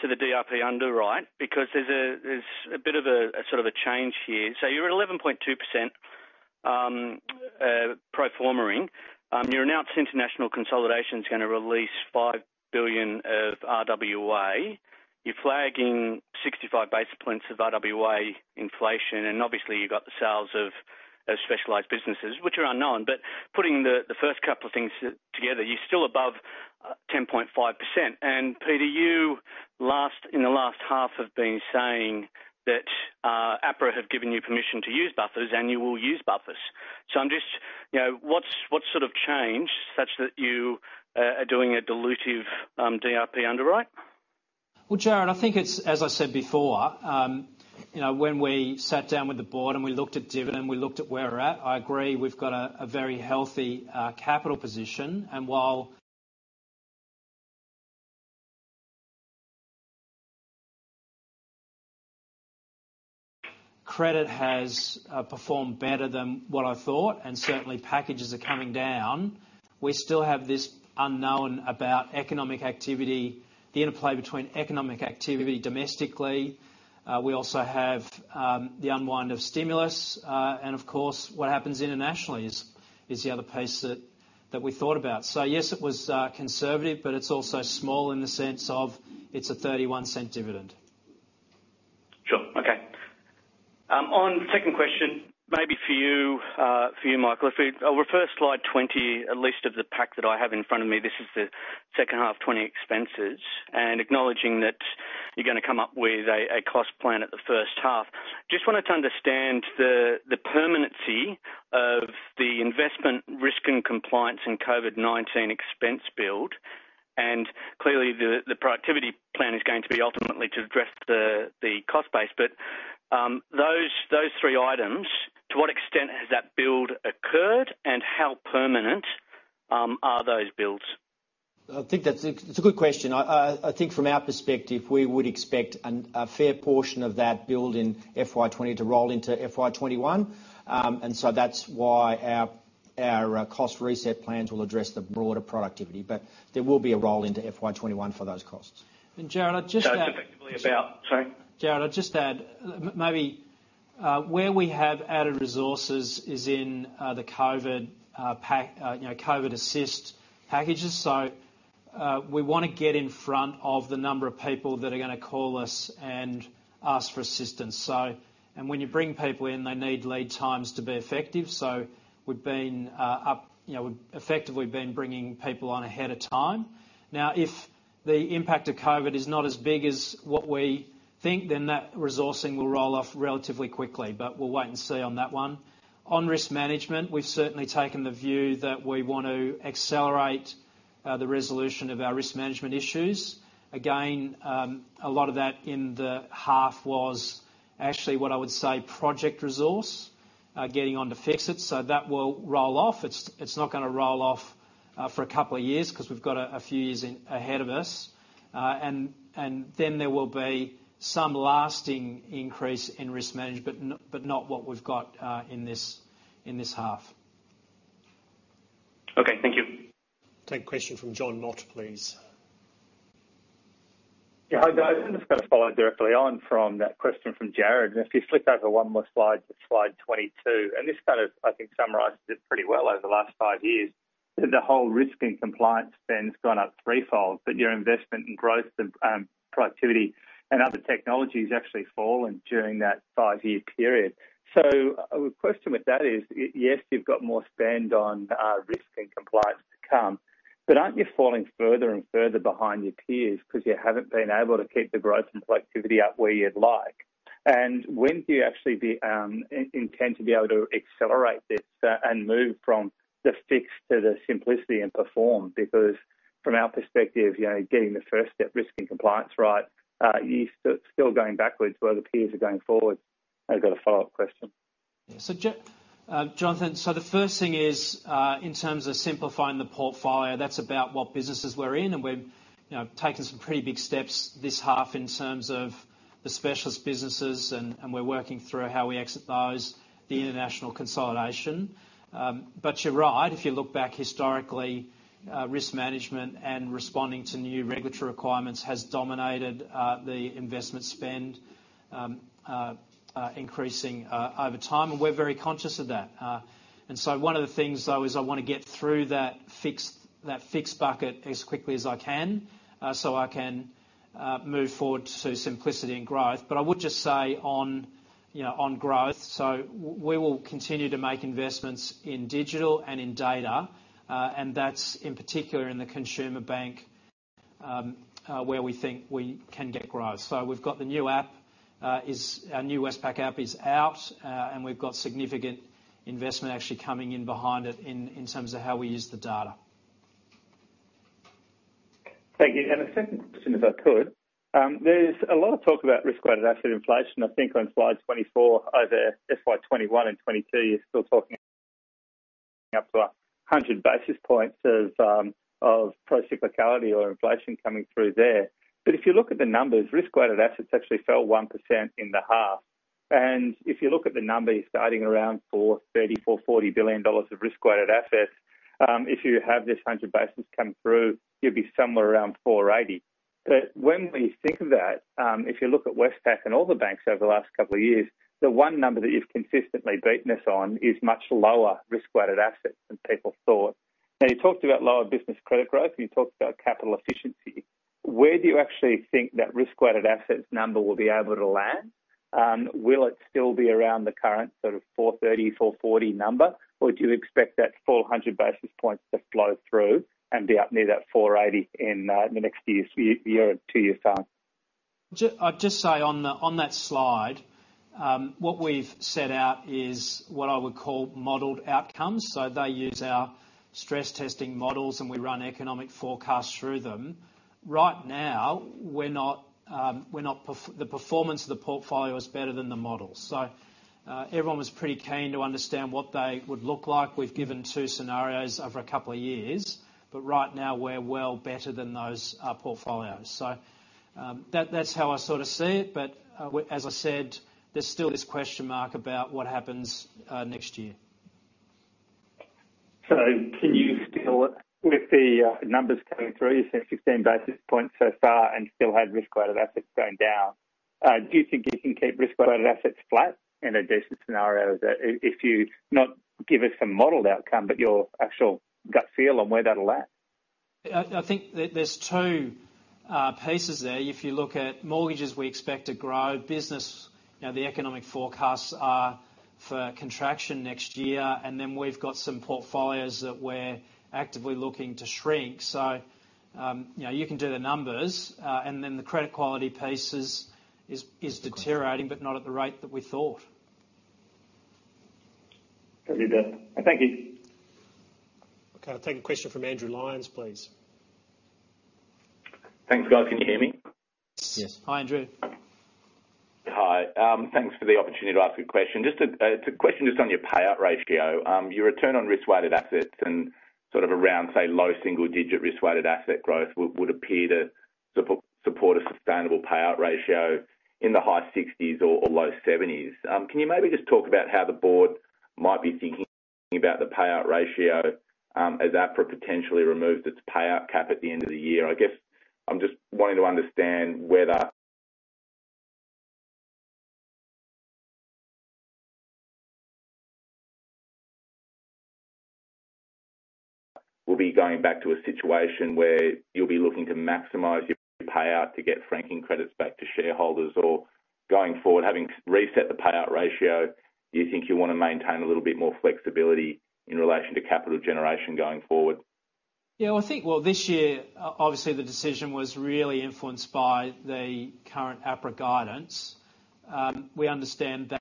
DRP underwrite? Because there's a bit of a sort of a change here. So you're at 11.2% pro forma CET1. Your announced international consolidation is going to release 5 billion of RWA. You're flagging 65 basis points of RWA inflation, and obviously, you've got the sales of specialized businesses, which are unknown. But putting the first couple of things together, you're still above 10.5%. Peter, you in the last half have been saying that APRA have given you permission to use buffers, and you will use buffers. So I'm just—what's sort of changed such that you are doing a dilutive DRP underwrite? Well, Jarrod, I think it's, as I said before, when we sat down with the board and we looked at dividend, we looked at where we're at. I agree. We've got a very healthy capital position. And while credit has performed better than what I thought, and certainly, packages are coming down, we still have this unknown about economic activity, the interplay between economic activity domestically. We also have the unwind of stimulus. And of course, what happens internationally is the other piece that we thought about. So yes, it was conservative, but it's also small in the sense of it's a 0.31 dividend. Sure. Okay. On second question, maybe for you, Michael, if we—or first, slide 20, at least of the pack that I have in front of me. This is the second half 20 expenses. Acknowledging that you're going to come up with a cost plan at the first half, just wanted to understand the permanency of the investment risk and compliance and COVID-19 expense build. Clearly, the productivity plan is going to be ultimately to address the cost base. But those three items, to what extent has that build occurred, and how permanent are those builds? I think that's a good question. I think from our perspective, we would expect a fair portion of that build in FY20 to roll into FY21. And so that's why our cost reset plans will address the broader productivity. But there will be a roll into FY21 for those costs. Jarrod, I just add, maybe where we have added resources is in the COVID assist packages. So we want to get in front of the number of people that are going to call us and ask for assistance. And when you bring people in, they need lead times to be effective. So we've effectively been bringing people on ahead of time. Now, if the impact of COVID is not as big as what we think, then that resourcing will roll off relatively quickly. But we'll wait and see on that one. On risk management, we've certainly taken the view that we want to accelerate the resolution of our risk management issues. Again, a lot of that in the half was actually what I would say project resource getting on to fix it. So that will roll off. It's not going to roll off for a couple of years because we've got a few years ahead of us. And then there will be some lasting increase in risk management, but not what we've got in this half. Okay. Thank you. Take a question from John Mott, please. Yeah. Hi, there. I was just going to follow directly on from that question from Jarrod. And if you flip that to one more slide, slide 22, and this kind of, I think, summarizes it pretty well over the last five years, the whole risk and compliance spend has gone up threefold, but your investment and growth and productivity and other technologies actually fallen during that five-year period. So the question with that is, yes, you've got more spend on risk and compliance to come, but aren't you falling further and further behind your peers because you haven't been able to keep the growth and productivity up where you'd like? And when do you actually intend to be able to accelerate this and move from the fix to the simplicity and perform? Because from our perspective, getting the first step risk and compliance right, you're still going backwards while the peers are going forward. I've got a follow-up question. So Jonathan, so the first thing is in terms of simplifying the portfolio, that's about what businesses we're in. And we're taking some pretty big steps this half in terms of the Specialist Businesses, and we're working through how we exit those, the international consolidation. But you're right. If you look back historically, risk management and responding to new regulatory requirements has dominated the investment spend increasing over time, and we're very conscious of that. And so one of the things, though, is I want to get through that fixed bucket as quickly as I can so I can move forward to simplicity and growth. But I would just say on growth, so we will continue to make investments in digital and in data, and that's in particular in the consumer bank where we think we can get growth. So we've got the new app. Our new Westpac App is out, and we've got significant investment actually coming in behind it in terms of how we use the data. Thank you. And a second question, if I could. There's a lot of talk about risk-weighted asset inflation. I think on slide 24 over FY21 and 22, you're still talking up to 100 basis points of procyclicality or inflation coming through there. But if you look at the numbers, risk-weighted assets actually fell 1% in the half. And if you look at the numbers, you're starting around 430-440 billion dollars of risk-weighted assets. If you have this 100 basis come through, you'd be somewhere around 480. But when we think of that, if you look at Westpac and all the banks over the last couple of years, the one number that you've consistently beaten us on is much lower risk-weighted assets than people thought. Now, you talked about lower business credit growth, and you talked about capital efficiency. Where do you actually think that risk-weighted assets number will be able to land? Will it still be around the current sort of 430, 440 number, or do you expect that full 100 basis points to flow through and be up near that 480 in the next year, two years' time? I'd just say on that slide, what we've set out is what I would call modeled outcomes. So they use our stress testing models, and we run economic forecasts through them. Right now, the performance of the portfolio is better than the models. So everyone was pretty keen to understand what they would look like. We've given two scenarios over a couple of years, but right now, we're well better than those portfolios. So that's how I sort of see it. But as I said, there's still this question mark about what happens next year. So can you still, with the numbers coming through, you said 16 basis points so far and still had risk-weighted assets going down? Do you think you can keep risk-weighted assets flat in a decent scenario if you not give us a modelled outcome, but your actual gut feel on where that'll land? I think there's two pieces there. If you look at mortgages, we expect to grow. Business, the economic forecasts are for contraction next year. And then we've got some portfolios that we're actively looking to shrink. So you can do the numbers. And then the credit quality piece is deteriorating, but not at the rate that we thought. Copy, Beth. Thank you. Okay. I'll take a question from Andrew Lyons, please. Thanks, guys. Can you hear me? Yes. Hi, Andrew. Hi. Thanks for the opportunity to ask a question. It's a question just on your payout ratio. Your return on risk-weighted assets and sort of around, say, low single-digit risk-weighted asset growth would appear to support a sustainable payout ratio in the high 60s or low 70s. Can you maybe just talk about how the board might be thinking about the payout ratio as APRA potentially removes its payout cap at the end of the year? I guess I'm just wanting to understand whether we'll be going back to a situation where you'll be looking to maximize your payout to get franking credits back to shareholders or going forward, having reset the payout ratio, do you think you want to maintain a little bit more flexibility in relation to capital generation going forward? Yeah. Well, this year, obviously, the decision was really influenced by the current APRA guidance. We understand that.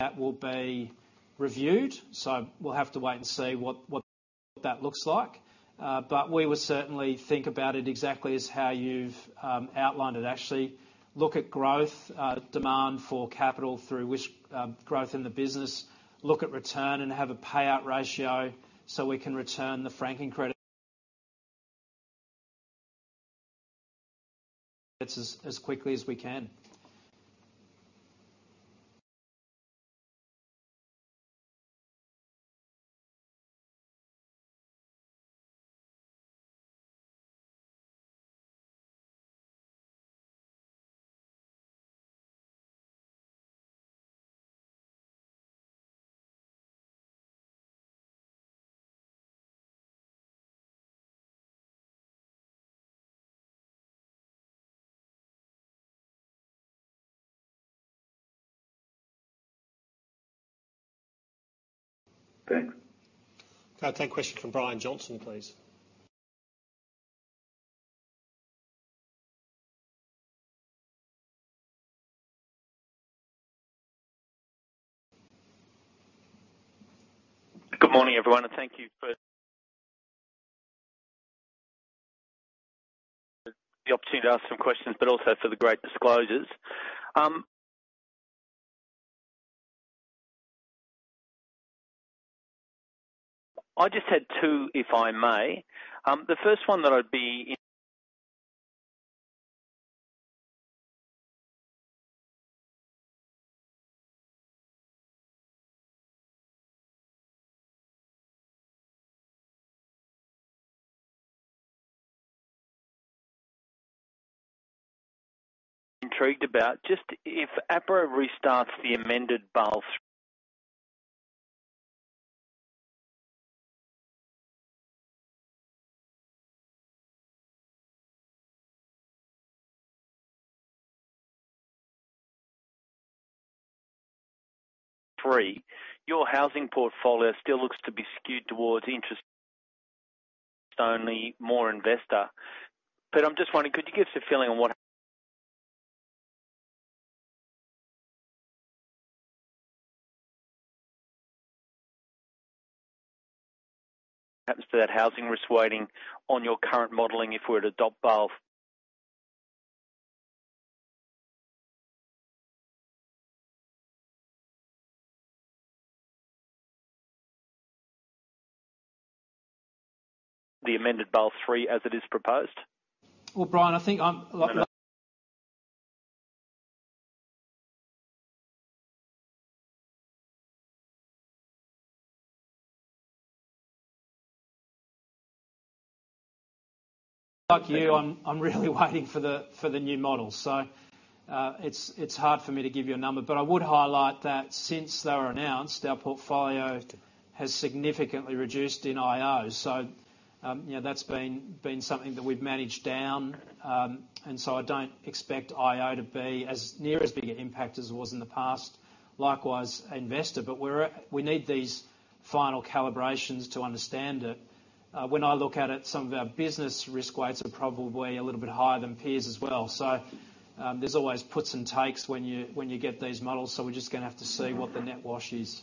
That will be reviewed. So we'll have to wait and see what that looks like. But we would certainly think about it exactly as how you've outlined it, actually. Look at growth, demand for capital through growth in the business. Look at return and have a payout ratio so we can return the franking credits as quickly as we can. Thanks. Can I take a question from Brian Johnson, please? Good morning, everyone. And thank you for the opportunity to ask some questions, but also for the great disclosures. I just had two, if I may. The first one that I'd be intrigued about just if APRA restarts the amended Basel III, your housing portfolio still looks to be skewed towards interest-only more investor. But I'm just wondering, could you give us a feeling on what happens to that housing risk weighting on your current modelling if we were to adopt the amended Basel III as it is proposed? Brian, I think I'm like you. I'm really waiting for the new model. It's hard for me to give you a number. I would highlight that since they were announced, our portfolio has significantly reduced in IO. That's been something that we've managed down. I don't expect IO to be as near as big an impact as it was in the past. Likewise, investor. We need these final calibrations to understand it. When I look at it, some of our business risk weights are probably a little bit higher than peers as well. There's always puts and takes when you get these models. We're just going to have to see what the net wash is.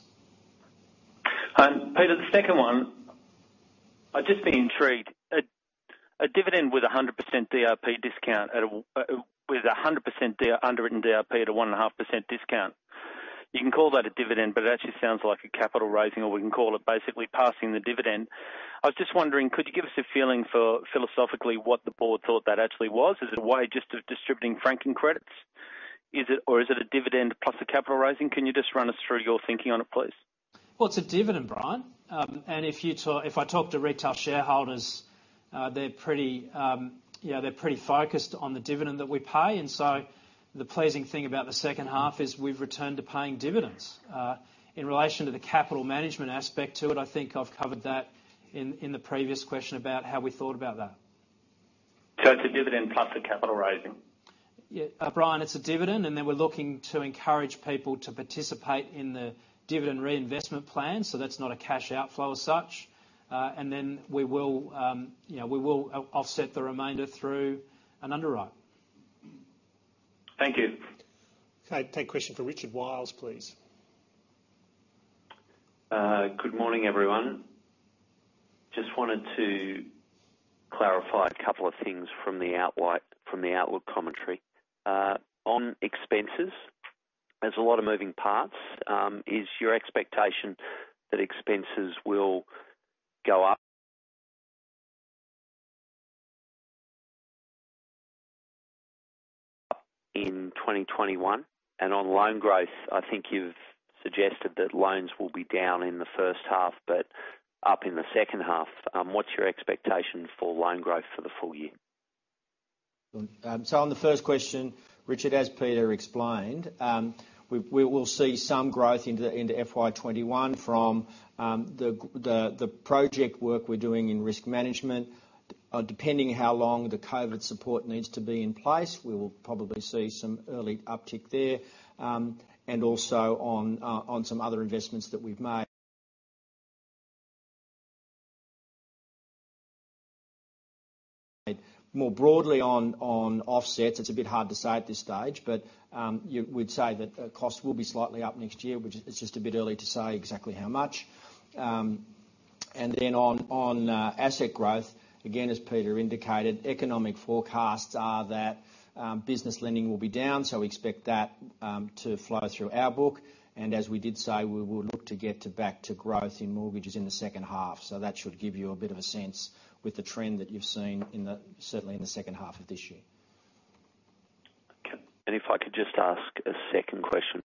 Peter, the second one, I've just been intrigued. A dividend with a 100% DRP discount with a 100% underwritten DRP at a 1.5% discount. You can call that a dividend, but it actually sounds like a capital raising, or we can call it basically passing the dividend. I was just wondering, could you give us a feeling for philosophically what the board thought that actually was? Is it a way just of distributing franking credits? Or is it a dividend plus a capital raising? Can you just run us through your thinking on it, please? Well, it's a dividend, Brian. And if I talk to retail shareholders, they're pretty focused on the dividend that we pay. And so the pleasing thing about the second half is we've returned to paying dividends. In relation to the capital management aspect to it, I think I've covered that in the previous question about how we thought about that. So it's a dividend plus a capital raising? Yeah. Brian, it's a dividend. And then we're looking to encourage people to participate in the dividend reinvestment plan. So that's not a cash outflow as such. And then we will offset the remainder through an underwrite. Thank you. Okay. Take a question from Richard Wiles, please. Good morning, everyone. Just wanted to clarify a couple of things from the Outlook commentary. On expenses, there's a lot of moving parts. Is your expectation that expenses will go up in 2021? And on loan growth, I think you've suggested that loans will be down in the first half, but up in the second half. What's your expectation for loan growth for the full year? So on the first question, Richard, as Peter explained, we will see some growth into FY21 from the project work we're doing in risk management. Depending on how long the COVID support needs to be in place, we will probably see some early uptick there. And also on some other investments that we've made. More broadly on offsets, it's a bit hard to say at this stage, but we'd say that costs will be slightly up next year, but it's just a bit early to say exactly how much. And then on asset growth, again, as Peter indicated, economic forecasts are that business lending will be down. So we expect that to flow through our outlook. And as we did say, we will look to get back to growth in mortgages in the second half. So that should give you a bit of a sense with the trend that you've seen, certainly in the second half of this year. Okay. And if I could just ask a second question.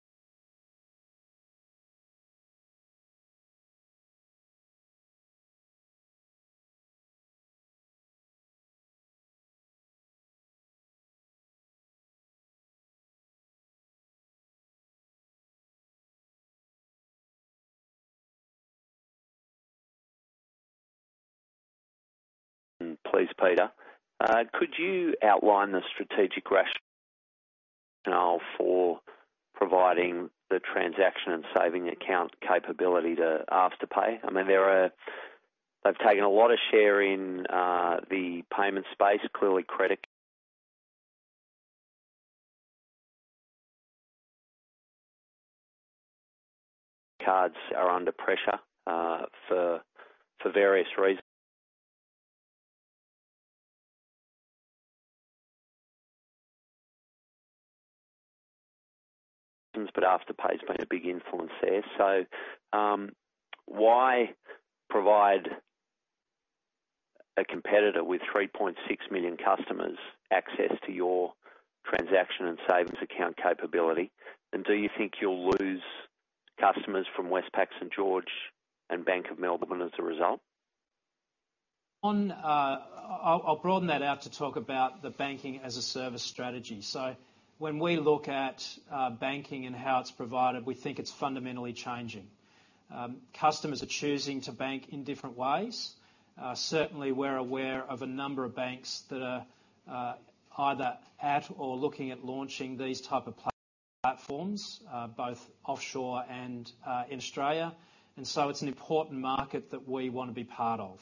Please, Peter. Could you outline the strategic rationale for providing the transaction and savings account capability to Afterpay? I mean, they've taken a lot of share in the payment space. Clearly, credit cards are under pressure for various reasons. But Afterpay has been a big influence there. So why provide a competitor with 3.6 million customers access to your transaction and savings account capability? And do you think you'll lose customers from Westpac, St. George, and Bank of Melbourne as a result? I'll broaden that out to talk about the Banking as a Service strategy. So when we look at banking and how it's provided, we think it's fundamentally changing. Customers are choosing to bank in different ways. Certainly, we're aware of a number of banks that are either at or looking at launching these types of platforms, both offshore and in Australia. And so it's an important market that we want to be part of.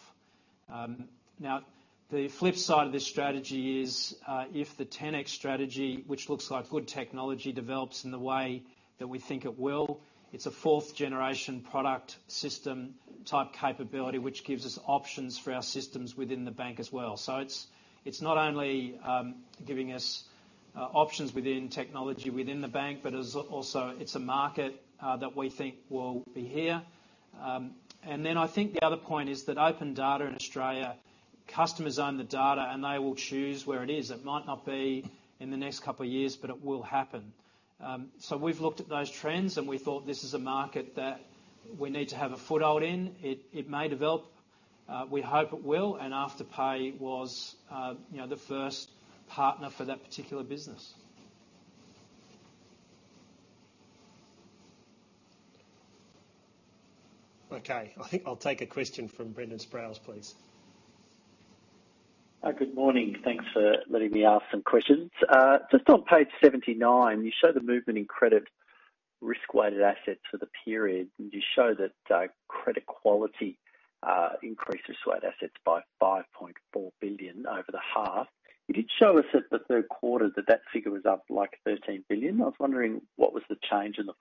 Now, the flip side of this strategy is if the 10x strategy, which looks like good technology, develops in the way that we think it will, it's a fourth-generation product system type capability, which gives us options for our systems within the bank as well. So it's not only giving us options within technology within the bank, but also it's a market that we think will be here. And then I think the other point is that open data in Australia, customers own the data, and they will choose where it is. It might not be in the next couple of years, but it will happen. So we've looked at those trends, and we thought this is a market that we need to have a foothold in. It may develop. We hope it will. Afterpay was the first partner for that particular business. Okay. I think I'll take a question from Brendan Sproules, please. Hi, good morning. Thanks for letting me ask some questions. Just on page 79, you show the movement in credit risk-weighted assets for the period. You show that credit quality increases risk-weighted assets by 5.4 billion over the half. You did show us at the third quarter that that figure was up like 13 billion. I was wondering what was the change in the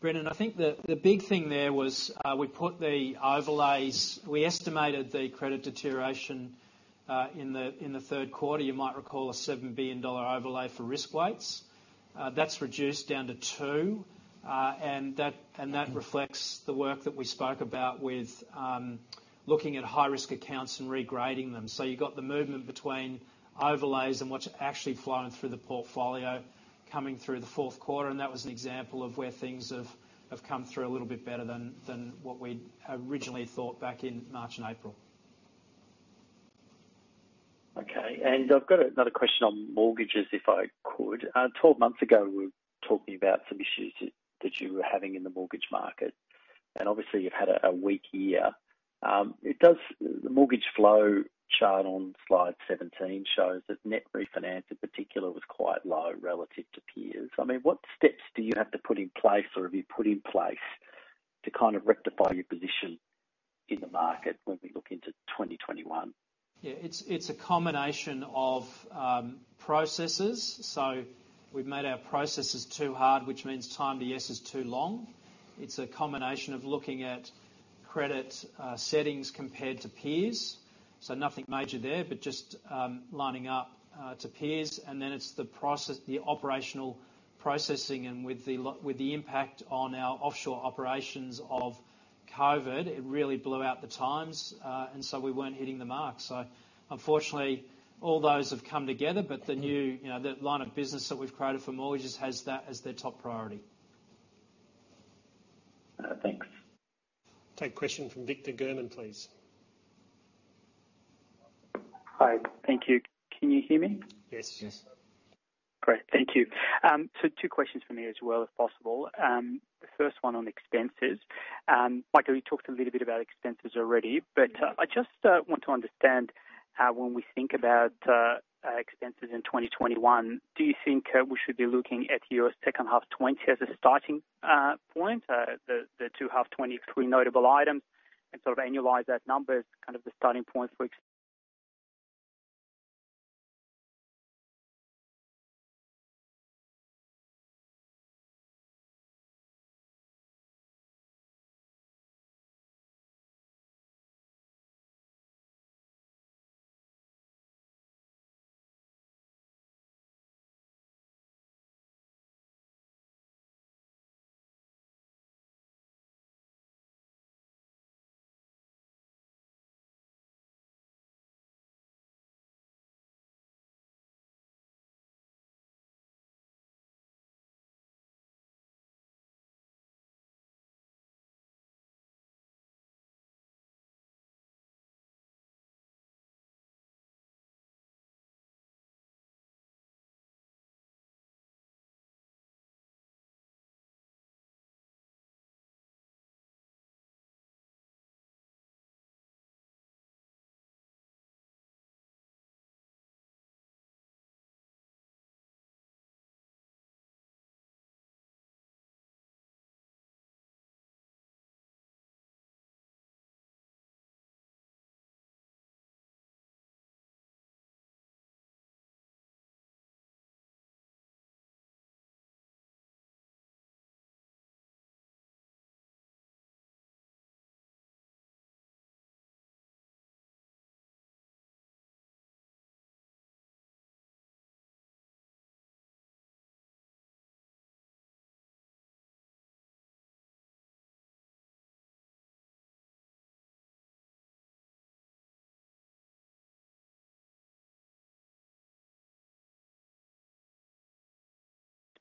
fourth quarter? Brendan, I think the big thing there was we put the overlays. We estimated the credit deterioration in the third quarter. You might recall a 7 billion dollar overlay for risk weights. That's reduced down to two. That reflects the work that we spoke about with looking at high-risk accounts and regrading them. So you've got the movement between overlays and what's actually flowing through the portfolio coming through the fourth quarter. And that was an example of where things have come through a little bit better than what we originally thought back in March and April. Okay. And I've got another question on mortgages, if I could. 12 months ago, we were talking about some issues that you were having in the mortgage market. And obviously, you've had a weak year. The mortgage flow chart on slide 17 shows that net refinance in particular was quite low relative to peers. I mean, what steps do you have to put in place, or have you put in place, to kind of rectify your position in the market when we look into 2021? Yeah. It's a combination of processes. So we've made our processes too hard, which means time to yes is too long. It's a combination of looking at credit settings compared to peers. So nothing major there, but just lining up to peers. And then it's the operational processing. And with the impact on our offshore operations of COVID, it really blew out the times. And so we weren't hitting the mark. So unfortunately, all those have come together, but the line of business that we've created for mortgages has that as their top priority. Thanks. Take a question from Victor German, please. Hi. Thank you. Can you hear me? Yes. Yes. Great. Thank you. So two questions for me as well, if possible. The first one on expenses. Michael, you talked a little bit about expenses already, but I just want to understand how, when we think about expenses in 2021, do you think we should be looking at your second half 2020 as a starting point?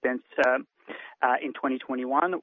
2021,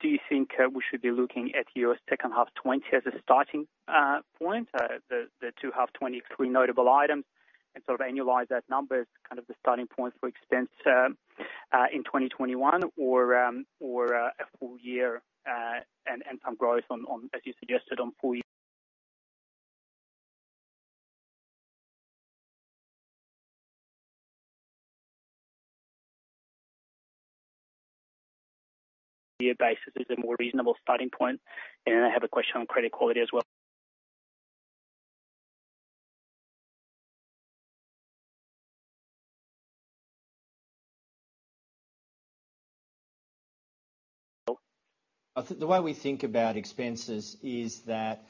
do you think we should be looking at your second half 2020 as a starting point? The second half 2020 pretty notable items and sort of analyze that number as kind of the starting point for expenses in 2021, or a full year and some growth on, as you suggested, on full year basis is a more reasonable starting point? And I have a question on credit quality as well. The way we think about expenses is that,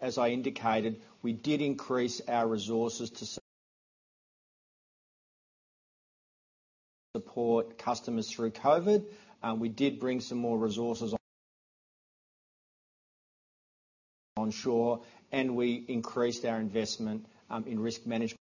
as I indicated, we did increase our resources to support customers through COVID. We did bring some more resources onshore, and we increased our investment in risk management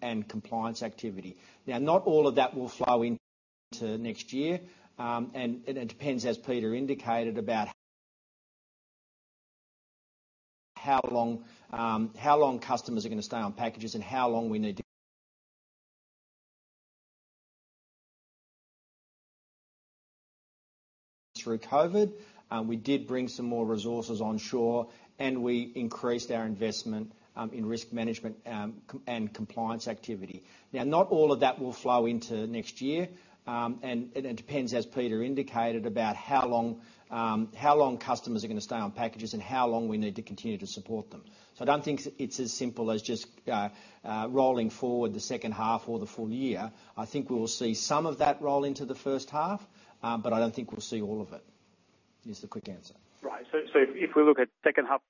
and compliance activity. Now, not all of that will flow into next year. It depends, as Peter indicated, about how long customers are going to stay on packages and how long we need to through COVID. We did bring some more resources onshore, and we increased our investment in risk management and compliance activity. Now, not all of that will flow into next year. It depends, as Peter indicated, about how long customers are going to stay on packages and how long we need to continue to support them. So I don't think it's as simple as just rolling forward the second half or the full year. I think we will see some of that roll into the first half, but I don't think we'll see all of it, is the quick answer. Right. Yeah. I was going to say that if we look at second half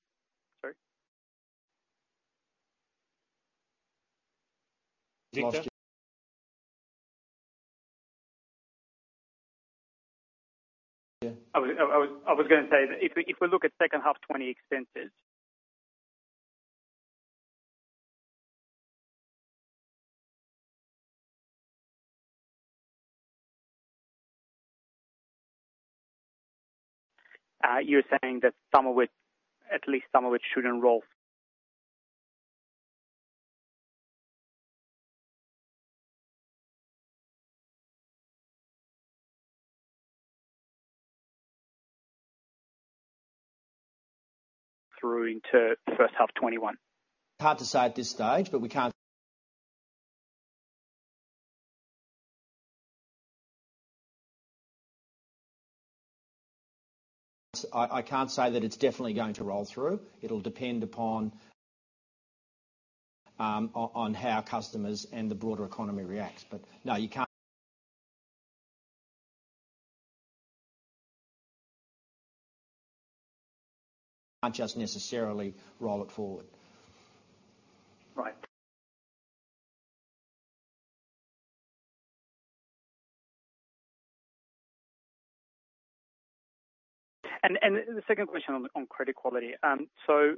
2020 expenses. You're saying that at least some of it should roll through into first half 2021? Hard to say at this stage, but we can't. I can't say that it's definitely going to roll through. It'll depend upon how customers and the broader economy reacts. But no, you can't just necessarily roll it forward. Right. And the second question on credit quality. So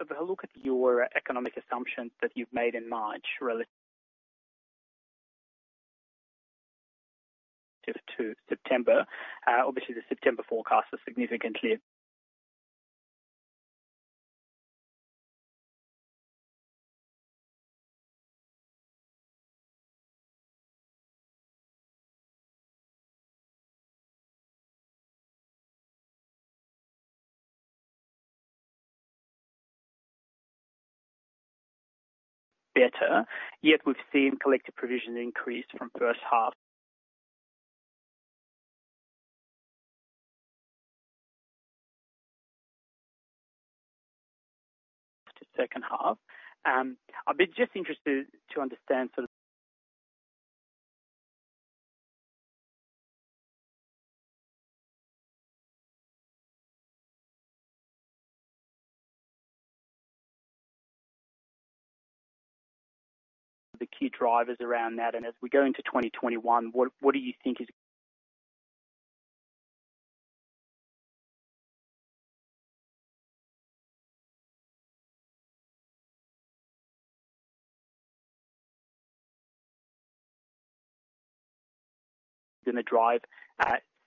if I look at your economic assumptions that you've made in March relative to September, obviously, the September forecast is significantly better. Yet we've seen collective provision increase from first half to second half. I'd be just interested to understand sort of the key drivers around that. And as we go into 2021, what do you think is going to drive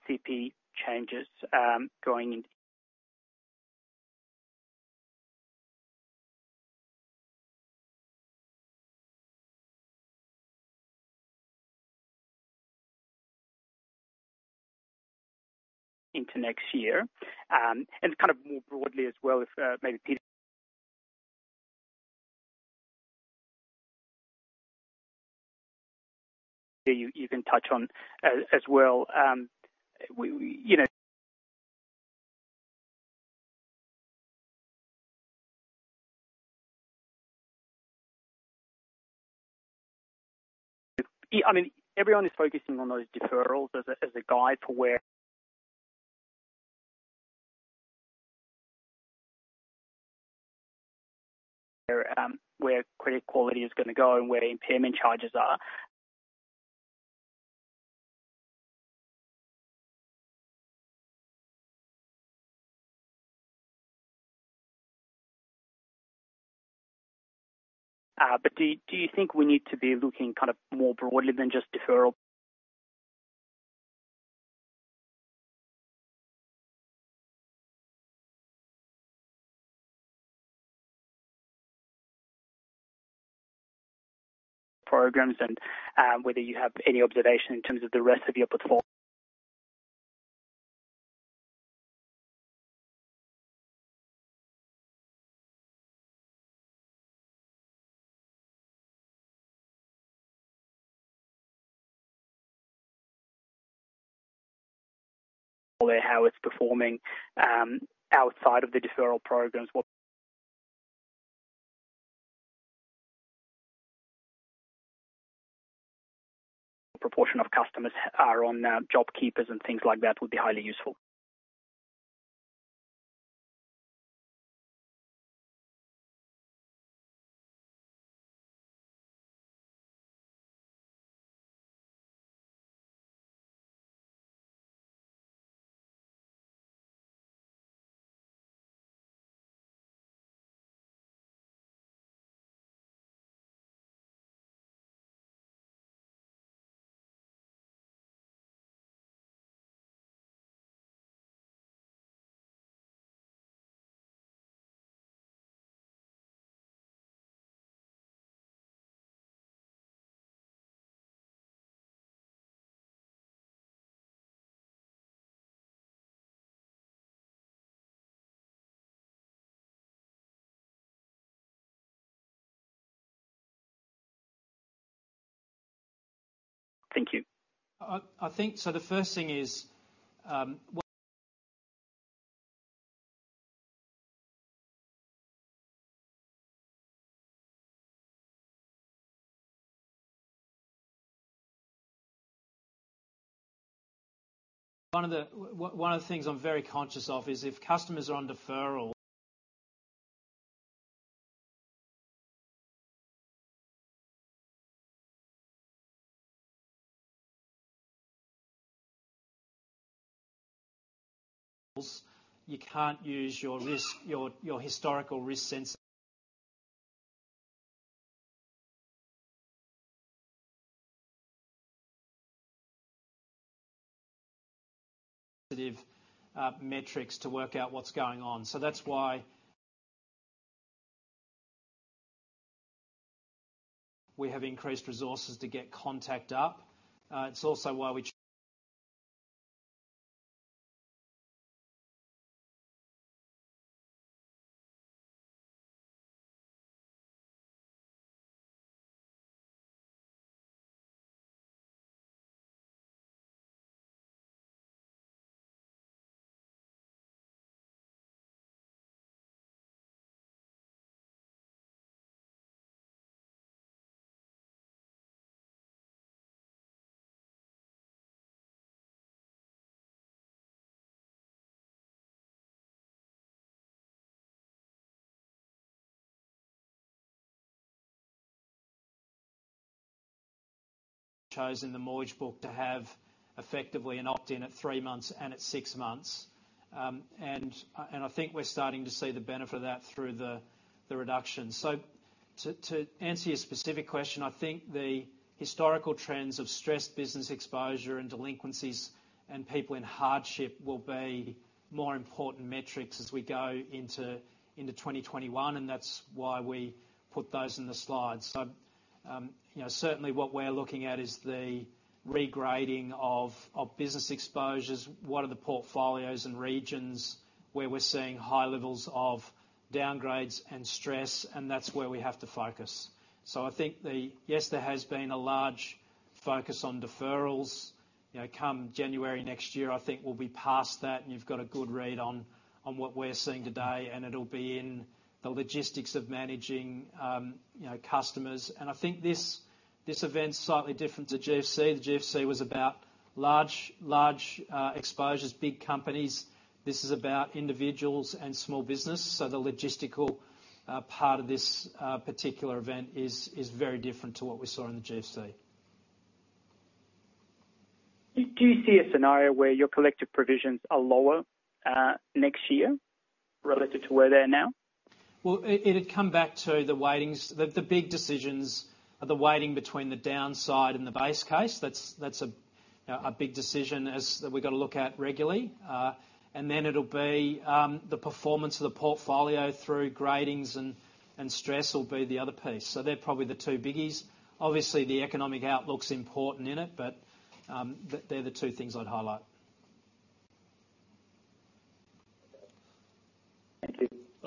CP changes going into next year? And kind of more broadly as well, if maybe Peter. Yeah, you can touch on as well. I mean, everyone is focusing on those deferrals as a guide for where credit quality is going to go and where impairment charges are. But do you think we need to be looking kind of more broadly than just deferral programs and whether you have any observation in terms of the rest of your portfolio? How it's performing outside of the deferral programs, what proportion of customers are on JobKeeper and things like that would be highly useful. Thank you. I think so the first thing is one of the things I'm very conscious of is if customers are on deferral. You can't use your historical risk sensitive metrics to work out what's going on. So that's why we have increased resources to get contact up. It's also why we chose in the mortgage book to have effectively an opt-in at three months and at six months. And I think we're starting to see the benefit of that through the reduction. So to answer your specific question, I think the historical trends of stressed business exposure and delinquencies and people in hardship will be more important metrics as we go into 2021, and that's why we put those in the slides. So certainly what we're looking at is the regrading of business exposures, what are the portfolios and regions where we're seeing high levels of downgrades and stress, and that's where we have to focus. So I think, yes, there has been a large focus on deferrals. Come January next year, I think we'll be past that, and you've got a good read on what we're seeing today, and it'll be in the logistics of managing customers. And I think this event's slightly different. The GFC. The GFC was about large exposures, big companies. This is about individuals and small business. So the logistical part of this particular event is very different to what we saw in the GFC. Do you see a scenario where your collective provisions are lower next year relative to where they're now? Well, it'd come back to the big decisions, the weighting between the downside and the base case. That's a big decision that we've got to look at regularly. And then it'll be the performance of the portfolio through gradings and stress, will be the other piece. So they're probably the two biggies. Obviously, the economic outlook's important in it, but they're the two things I'd highlight.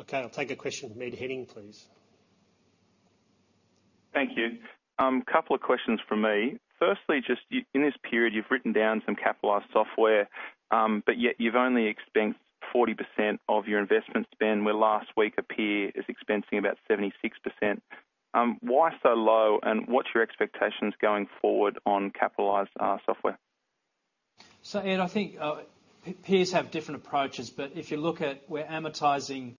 Thank you. Okay. I'll take a question from Ed Henning, please. Thank you. A couple of questions from me. Firstly, just in this period, you've written down some capitalized software, but yet you've only expensed 40% of your investment spend, where last week a peer is expensing about 76%. Why so low, and what's your expectations going forward on capitalized software? So I think peers have different approaches, but if you look at, we're amortizing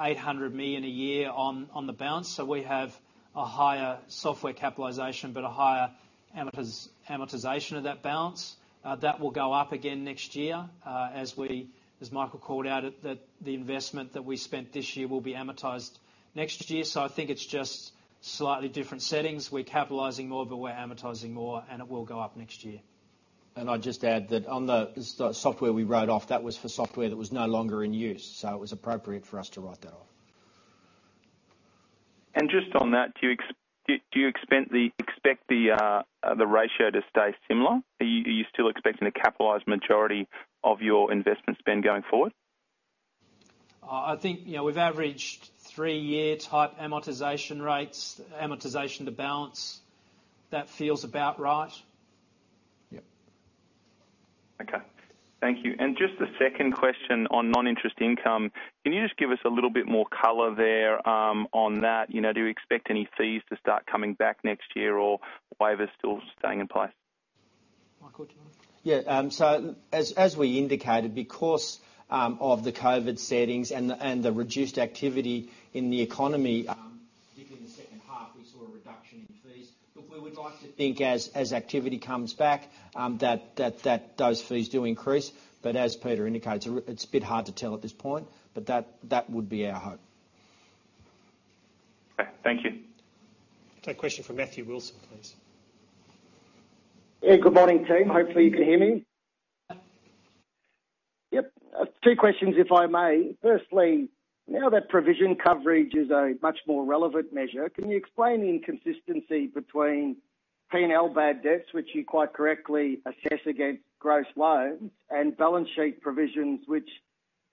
800 million a year on the balance, so we have a higher software capitalization but a higher amortization of that balance. That will go up again next year as Michael called out that the investment that we spent this year will be amortized next year. So I think it's just slightly different settings. We're capitalizing more, but we're amortizing more, and it will go up next year. And I'd just add that on the software we wrote off, that was for software that was no longer in use. So it was appropriate for us to write that off. And just on that, do you expect the ratio to stay similar? Are you still expecting a capitalized majority of your investment spend going forward? I think we've averaged three-year type amortization rates, amortization to balance. That feels about right. Yep. Okay. Thank you. And just the second question on non-interest income, can you just give us a little bit more color there on that? Do you expect any fees to start coming back next year, or why are they still staying in place? Yeah. So as we indicated, because of the COVID settings and the reduced activity in the economy, particularly in the second half, we saw a reduction in fees. Look, we would like to think as activity comes back that those fees do increase. But as Peter indicates, it's a bit hard to tell at this point, but that would be our hope. Okay. Thank you. Take a question from Matthew Wilson, please. Hey, good morning, team. Hopefully, you can hear me. Yep. Two questions, if I may. Firstly, now that provision coverage is a much more relevant measure, can you explain the inconsistency between P&L bad debts, which you quite correctly assess against gross loans, and balance sheet provisions, which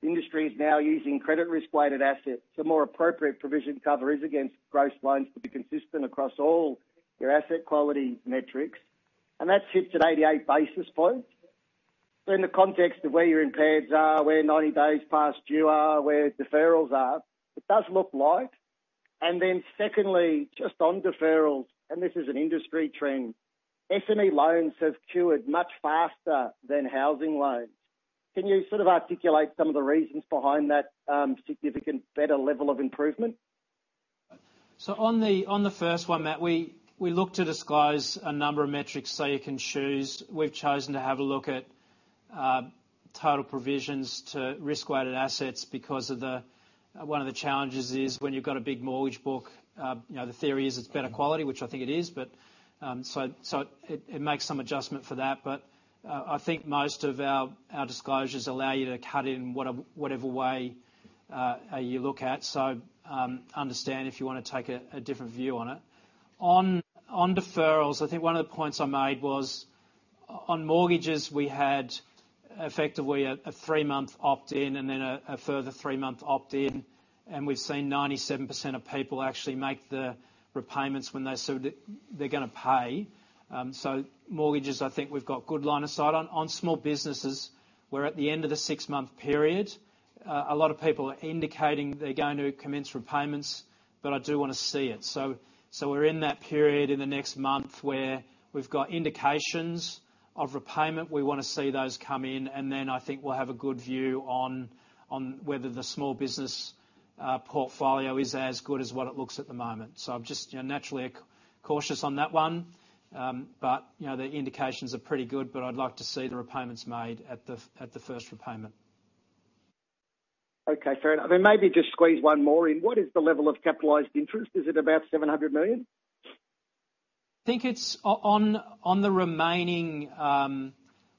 the industry is now using credit risk-weighted assets? The more appropriate provision cover is against gross loans to be consistent across all your asset quality metrics. And that sits at 88 basis points. So in the context of where your impaireds are, where 90 days past due are, where deferrals are, it does look like. And then, secondly, just on deferrals, and this is an industry trend, SME loans have cured much faster than housing loans. Can you sort of articulate some of the reasons behind that significant better level of improvement? So, on the first one, Matt, we look to disclose a number of metrics so you can choose. We've chosen to have a look at total provisions to risk-weighted assets because one of the challenges is when you've got a big mortgage book, the theory is it's better quality, which I think it is, but so it makes some adjustment for that. But I think most of our disclosures allow you to cut in whatever way you look at, so understand if you want to take a different view on it. On deferrals, I think one of the points I made was on mortgages, we had effectively a three-month opt-in and then a further three-month opt-in, and we've seen 97% of people actually make the repayments when they said they're going to pay. So mortgages, I think we've got good line of sight. On small businesses, we're at the end of the six-month period. A lot of people are indicating they're going to commence repayments, but I do want to see it. So we're in that period in the next month where we've got indications of repayment. We want to see those come in, and then I think we'll have a good view on whether the small business portfolio is as good as what it looks at the moment. I'm just naturally cautious on that one, but the indications are pretty good, but I'd like to see the repayments made at the first repayment. Okay. Fair enough. And maybe just squeeze one more in. What is the level of capitalized interest? Is it about 700 million? I think it's on the remaining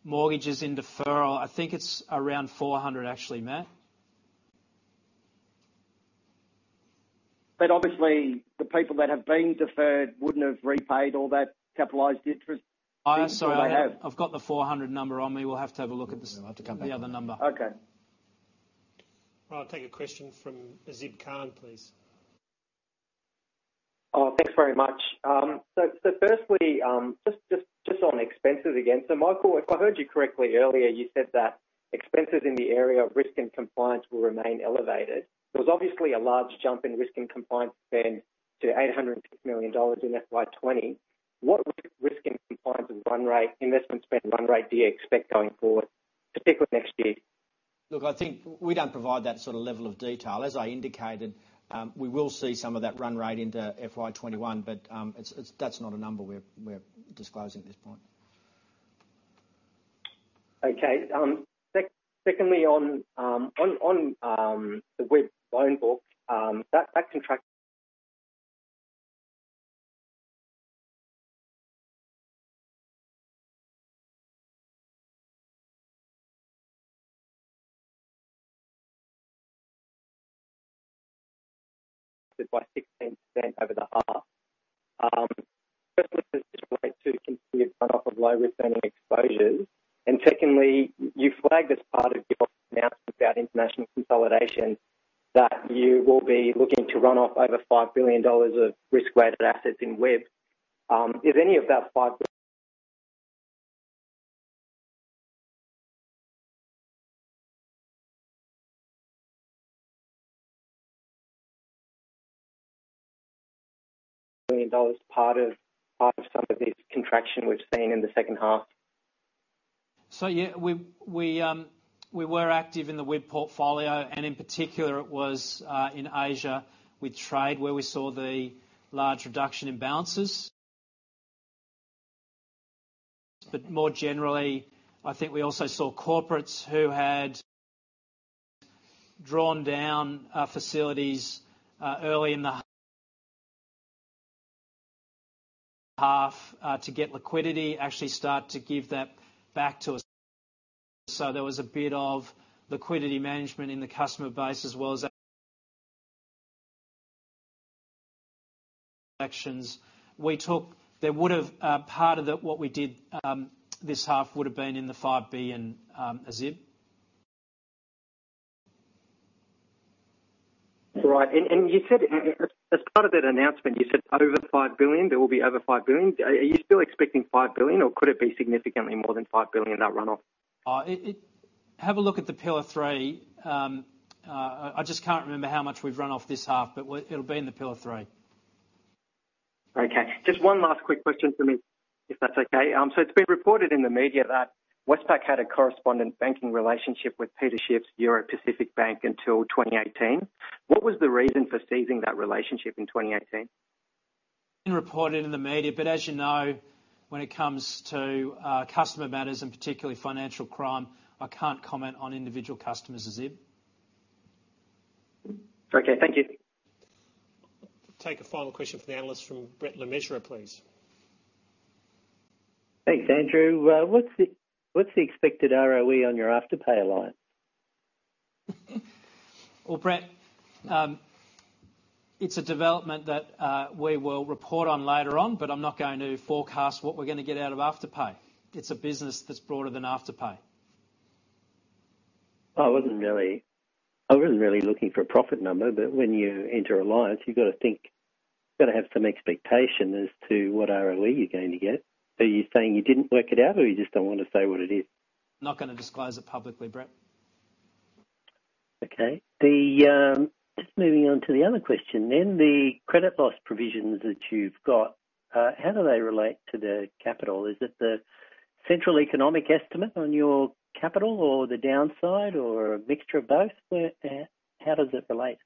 mortgages in deferral. I think it's around 400 million actually, Matt. But obviously, the people that have been deferred wouldn't have repaid all that capitalized interest. I'm sorry. I've got the 400 million number on me. We'll have to have a look at the other number. Okay. I'll take a question from Azib Khan, please. Thanks very much. So firstly, just on expenses again. So Michael, if I heard you correctly earlier, you said that expenses in the area of risk and compliance will remain elevated. There was obviously a large jump in risk and compliance spend to 806 million dollars in FY20. What risk and compliance investment spend run rate do you expect going forward, particularly next year? Look, I think we don't provide that sort of level of detail. As I indicated, we will see some of that run rate into FY21, but that's not a number we're disclosing at this point. Okay. Secondly, on the WIB loan book, that contracted by 16% over the half. Firstly, there's the way to continue to run off of low-risk earning exposures. And secondly, you flagged as part of your announcement about international consolidation that you will be looking to run off over 5 billion dollars of risk-weighted assets in WIB. Is any of that 5 billion part of some of this contraction we've seen in the second half? So yeah, we were active in the WIB portfolio, and in particular, it was in Asia with trade where we saw the large reduction in balances. But more generally, I think we also saw corporates who had drawn down facilities early in the half to get liquidity actually start to give that back to us. So there was a bit of liquidity management in the customer base as well as actions. There would have part of what we did this half would have been in the 5 billion and Azib. Right. And you said as part of that announcement, you said over 5 billion, there will be over 5 billion. Are you still expecting 5 billion, or could it be significantly more than 5 billion that run off? Have a look at the Pillar 3. I just can't remember how much we've run off this half, but it'll be in the Pillar 3. Okay. Just one last quick question for me, if that's okay. So it's been reported in the media that Westpac had a correspondent banking relationship with Peter Schiff's Euro Pacific Bank until 2018. What was the reason for ceasing that relationship in 2018? Been reported in the media, but as you know, when it comes to customer matters and particularly financial crime, I can't comment on individual customers, Azib. Okay. Thank you. Take a final question from the analyst Brett Le Mesurier, please. Thanks, Andrew. What's the expected ROE on your Afterpay line? Brett, it's a development that we will report on later on, but I'm not going to forecast what we're going to get out of Afterpay. It's a business that's broader than Afterpay. I wasn't really looking for a profit number, but when you enter a line, you've got to think you've got to have some expectation as to what ROE you're going to get. Are you saying you didn't work it out, or you just don't want to say what it is? Not going to disclose it publicly, Brett. Okay. Just moving on to the other question then. The credit loss provisions that you've got, how do they relate to the capital? Is it the central economic estimate on your capital or the downside or a mixture of both? How does it relate?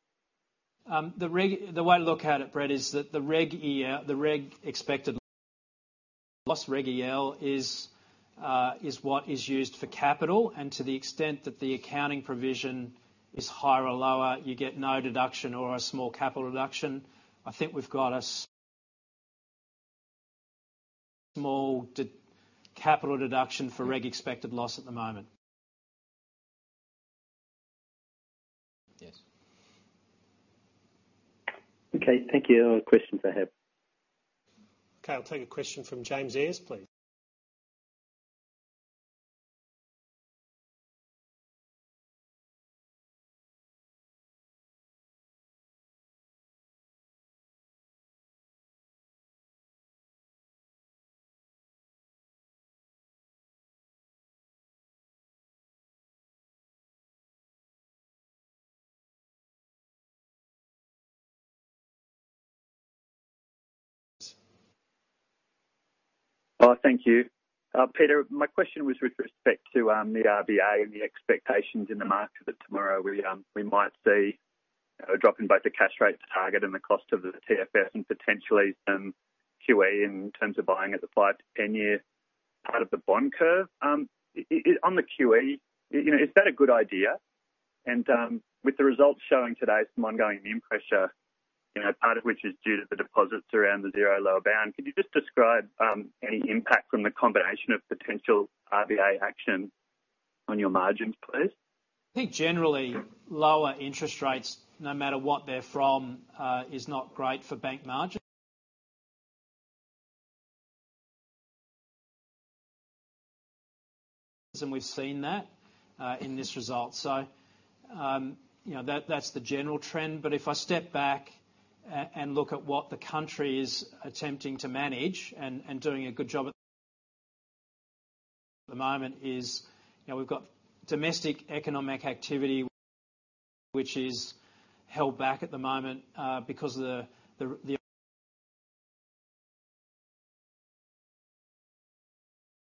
The way to look at it, Brett, is that the regulatory expected loss Reg EL is what is used for capital, and to the extent that the accounting provision is higher or lower, you get no deduction or a small capital deduction. I think we've got a small capital deduction for Reg expected loss at the moment. Yes. Okay. Thank you. No other questions I have. Okay. I'll take a question from John Jury, please. Thank you. Peter, my question was with respect to the RBA and the expectations in the market that tomorrow we might see a drop in both the cash rate target and the cost of the TFF and potentially some QE in terms of buying at the 5-10 year part of the bond curve. On the QE, is that a good idea? And with the results showing today, some ongoing impairment pressure, part of which is due to the deposits around the zero lower bound, can you just describe any impact from the combination of potential RBA action on your margins, please? I think generally, lower interest rates, no matter what they're from, is not great for bank margins. And we've seen that in this result. So that's the general trend. But if I step back and look at what the country is attempting to manage and doing a good job at the moment, is we've got domestic economic activity, which is held back at the moment because of the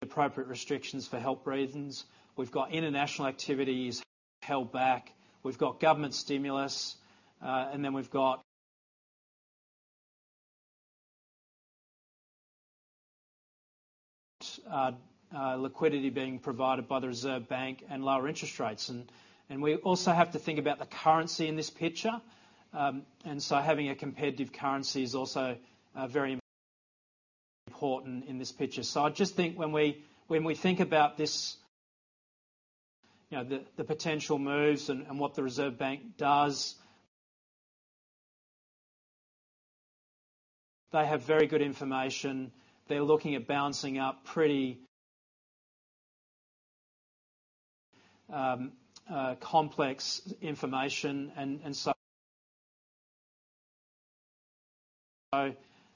appropriate restrictions for health reasons. We've got international activities held back. We've got government stimulus. And then we've got liquidity being provided by the Reserve Bank and lower interest rates. And we also have to think about the currency in this picture. And so having a competitive currency is also very important in this picture. So I just think when we think about the potential moves and what the Reserve Bank does, they have very good information. They're looking at balancing up pretty complex information. And so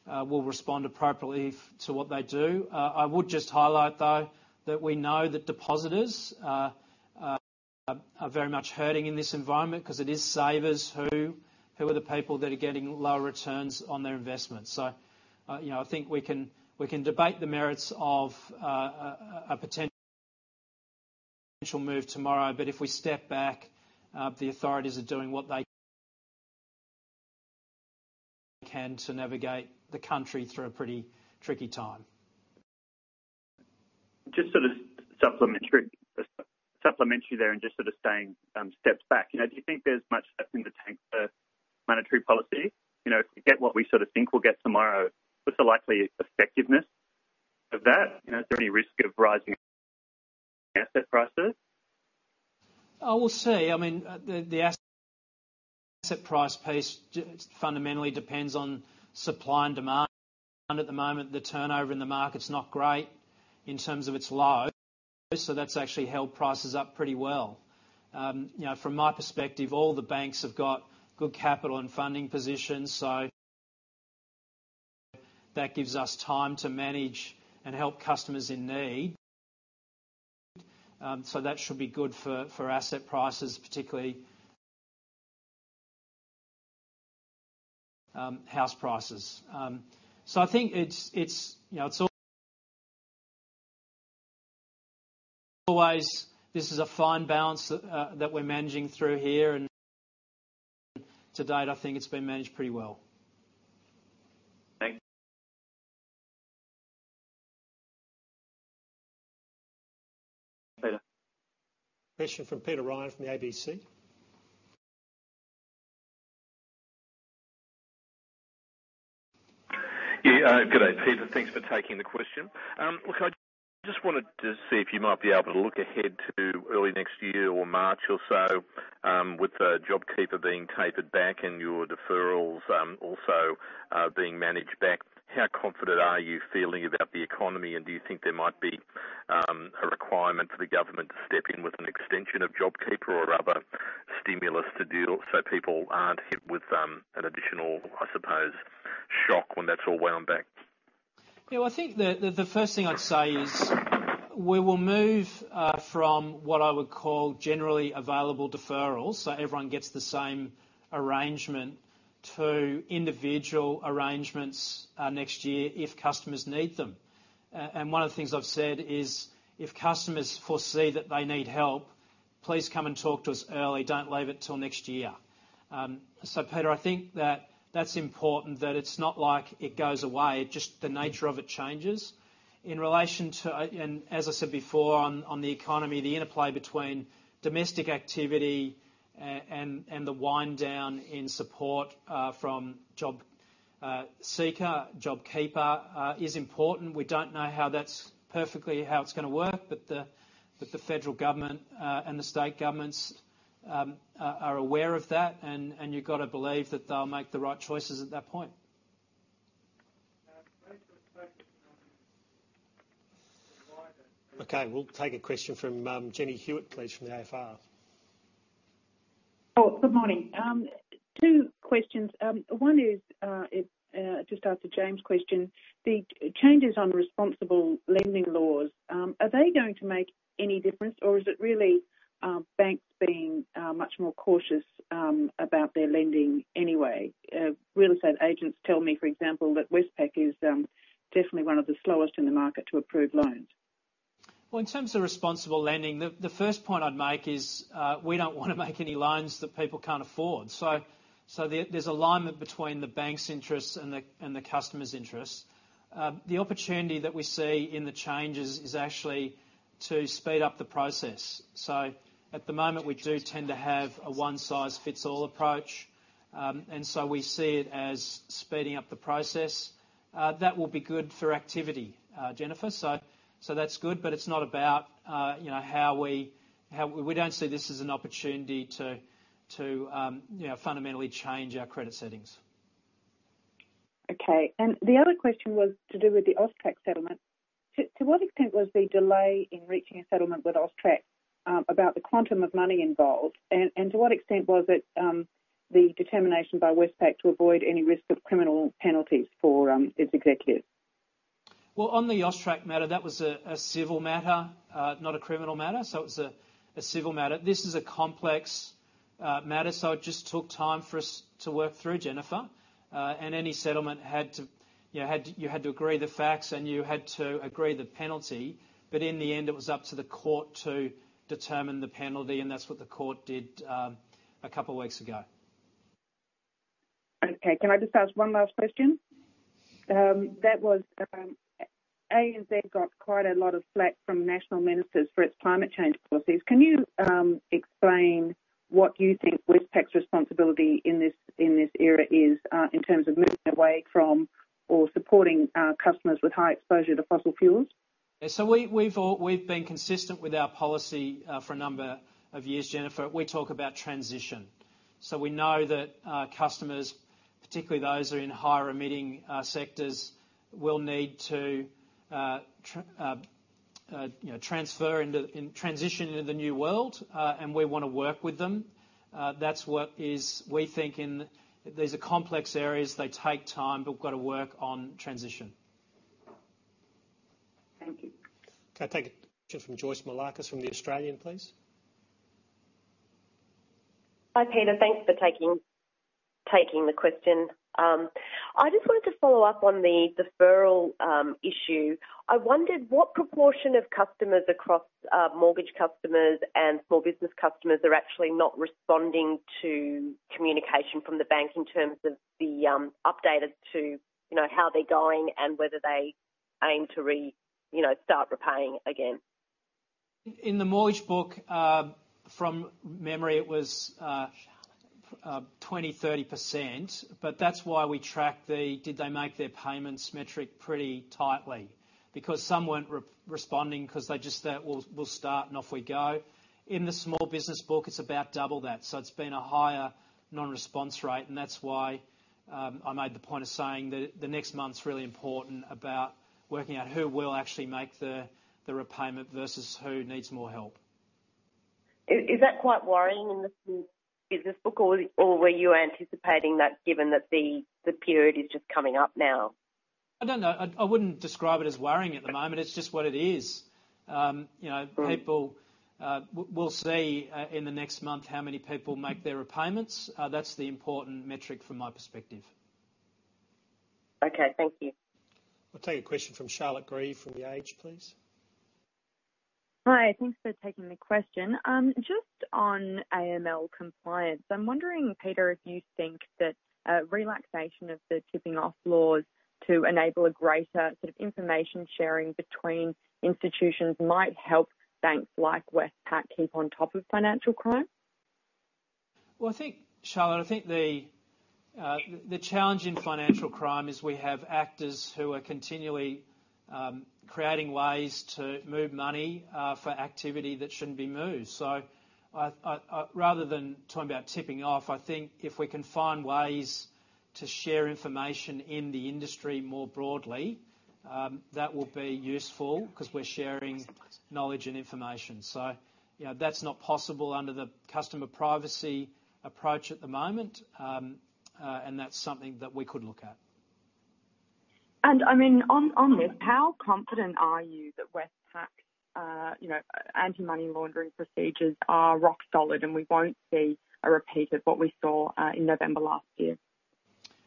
we'll respond appropriately to what they do. I would just highlight, though, that we know that depositors are very much hurting in this environment because it is savers who are the people that are getting lower returns on their investments. So I think we can debate the merits of a potential move tomorrow. But if we step back, the authorities are doing what they can to navigate the country through a pretty tricky time. Just sort of supplementary there and just sort of staying steps back. Do you think there's much left in the tank for monetary policy? If we get what we sort of think we'll get tomorrow, what's the likely effectiveness of that? Is there any risk of rising asset prices? I will say, I mean, the asset price piece fundamentally depends on supply and demand. At the moment, the turnover in the market's not great in terms of its low. So that's actually held prices up pretty well. From my perspective, all the banks have got good capital and funding positions. So that gives us time to manage and help customers in need. So that should be good for asset prices, particularly house prices. So I think it's always this is a fine balance that we're managing through here. And to date, I think it's been managed pretty well. Thanks. Question from Peter Ryan from the ABC. Good day. Peter, thanks for taking the question. Look, I just wanted to see if you might be able to look ahead to early next year or March or so with the JobKeeper being tapered back and your deferrals also being managed back. How confident are you feeling about the economy? And do you think there might be a requirement for the government to step in with an extension of JobKeeper or other stimulus to do so people aren't hit with an additional, I suppose, shock when that's all wound back? Yeah. Well, I think the first thing I'd say is we will move from what I would call generally available deferrals so everyone gets the same arrangement to individual arrangements next year if customers need them. And one of the things I've said is if customers foresee that they need help, please come and talk to us early. Don't leave it till next year. So Peter, I think that that's important, that it's not like it goes away. Just the nature of it changes. In relation to, and as I said before, on the economy, the interplay between domestic activity and the wind down in support from JobSeeker, JobKeeper is important. We don't know how that's perfectly how it's going to work, but the federal government and the state governments are aware of that. And you've got to believe that they'll make the right choices at that point. Okay. We'll take a question from Jennifer Hewett, please, from the AFR. Oh, good morning. Two questions. One is just after James' question. The changes on responsible lending laws, are they going to make any difference, or is it really banks being much more cautious about their lending anyway? Real estate agents tell me, for example, that Westpac is definitely one of the slowest in the market to approve loans. In terms of responsible lending, the first point I'd make is we don't want to make any loans that people can't afford. So there's alignment between the bank's interests and the customer's interests. The opportunity that we see in the changes is actually to speed up the process. So at the moment, we do tend to have a one-size-fits-all approach. And so we see it as speeding up the process. That will be good for activity, Jennifer. So that's good. But it's not about how we don't see this as an opportunity to fundamentally change our credit settings. Okay. And the other question was to do with the AUSTRAC settlement. To what extent was the delay in reaching a settlement with AUSTRAC about the quantum of money involved? And to what extent was it the determination by Westpac to avoid any risk of criminal penalties for its executives? On the AUSTRAC matter, that was a civil matter, not a criminal matter. It was a civil matter. This is a complex matter. It just took time for us to work through, Jennifer. And for any settlement, you had to agree the facts, and you had to agree the penalty. In the end, it was up to the court to determine the penalty. That's what the court did a couple of weeks ago. Okay. Can I just ask one last question? That was ANZ got quite a lot of flak from national ministers for its climate change policies. Can you explain what you think Westpac's responsibility in this area is in terms of moving away from or supporting customers with high exposure to fossil fuels? We've been consistent with our policy for a number of years, Jennifer. We talk about transition. So we know that customers, particularly those who are in higher emitting sectors, will need to transfer and transition into the new world. And we want to work with them. That's what we think. These are complex areas. They take time, but we've got to work on transition. Thank you. Okay. Take a question from Joyce Moullakis from The Australian, please. Hi, Peter. Thanks for taking the question. I just wanted to follow up on the deferral issue. I wondered what proportion of customers across mortgage customers and small business customers are actually not responding to communication from the bank in terms of the updates to how they're going and whether they aim to start repaying again. In the mortgage book, from memory, it was 20%-30%. But that's why we track the did they make their payments metric pretty tightly. Because some weren't responding because they just thought, "We'll start and off we go." In the small business book, it's about double that. So it's been a higher non-response rate. And that's why I made the point of saying that the next month's really important about working out who will actually make the repayment versus who needs more help. Is that quite worrying in the business book or were you anticipating that given that the period is just coming up now? I don't know. I wouldn't describe it as worrying at the moment. It's just what it is. People will see in the next month how many people make their repayments. That's the important metric from my perspective. Okay. Thank you. We'll take a question from Charlotte Grieve from The Age, please. Hi. Thanks for taking the question. Just on AML compliance, I'm wondering, Peter, if you think that relaxation of the tipping-off laws to enable a greater sort of information sharing between institutions might help banks like Westpac keep on top of financial crime? Well, Charlotte, I think the challenge in financial crime is we have actors who are continually creating ways to move money for activity that shouldn't be moved. So rather than talking about tipping-off, I think if we can find ways to share information in the industry more broadly, that will be useful because we're sharing knowledge and information. So that's not possible under the customer privacy approach at the moment. And that's something that we could look at. And I mean, on this, how confident are you that Westpac's anti-money laundering procedures are rock solid and we won't see a repeat of what we saw in November last year?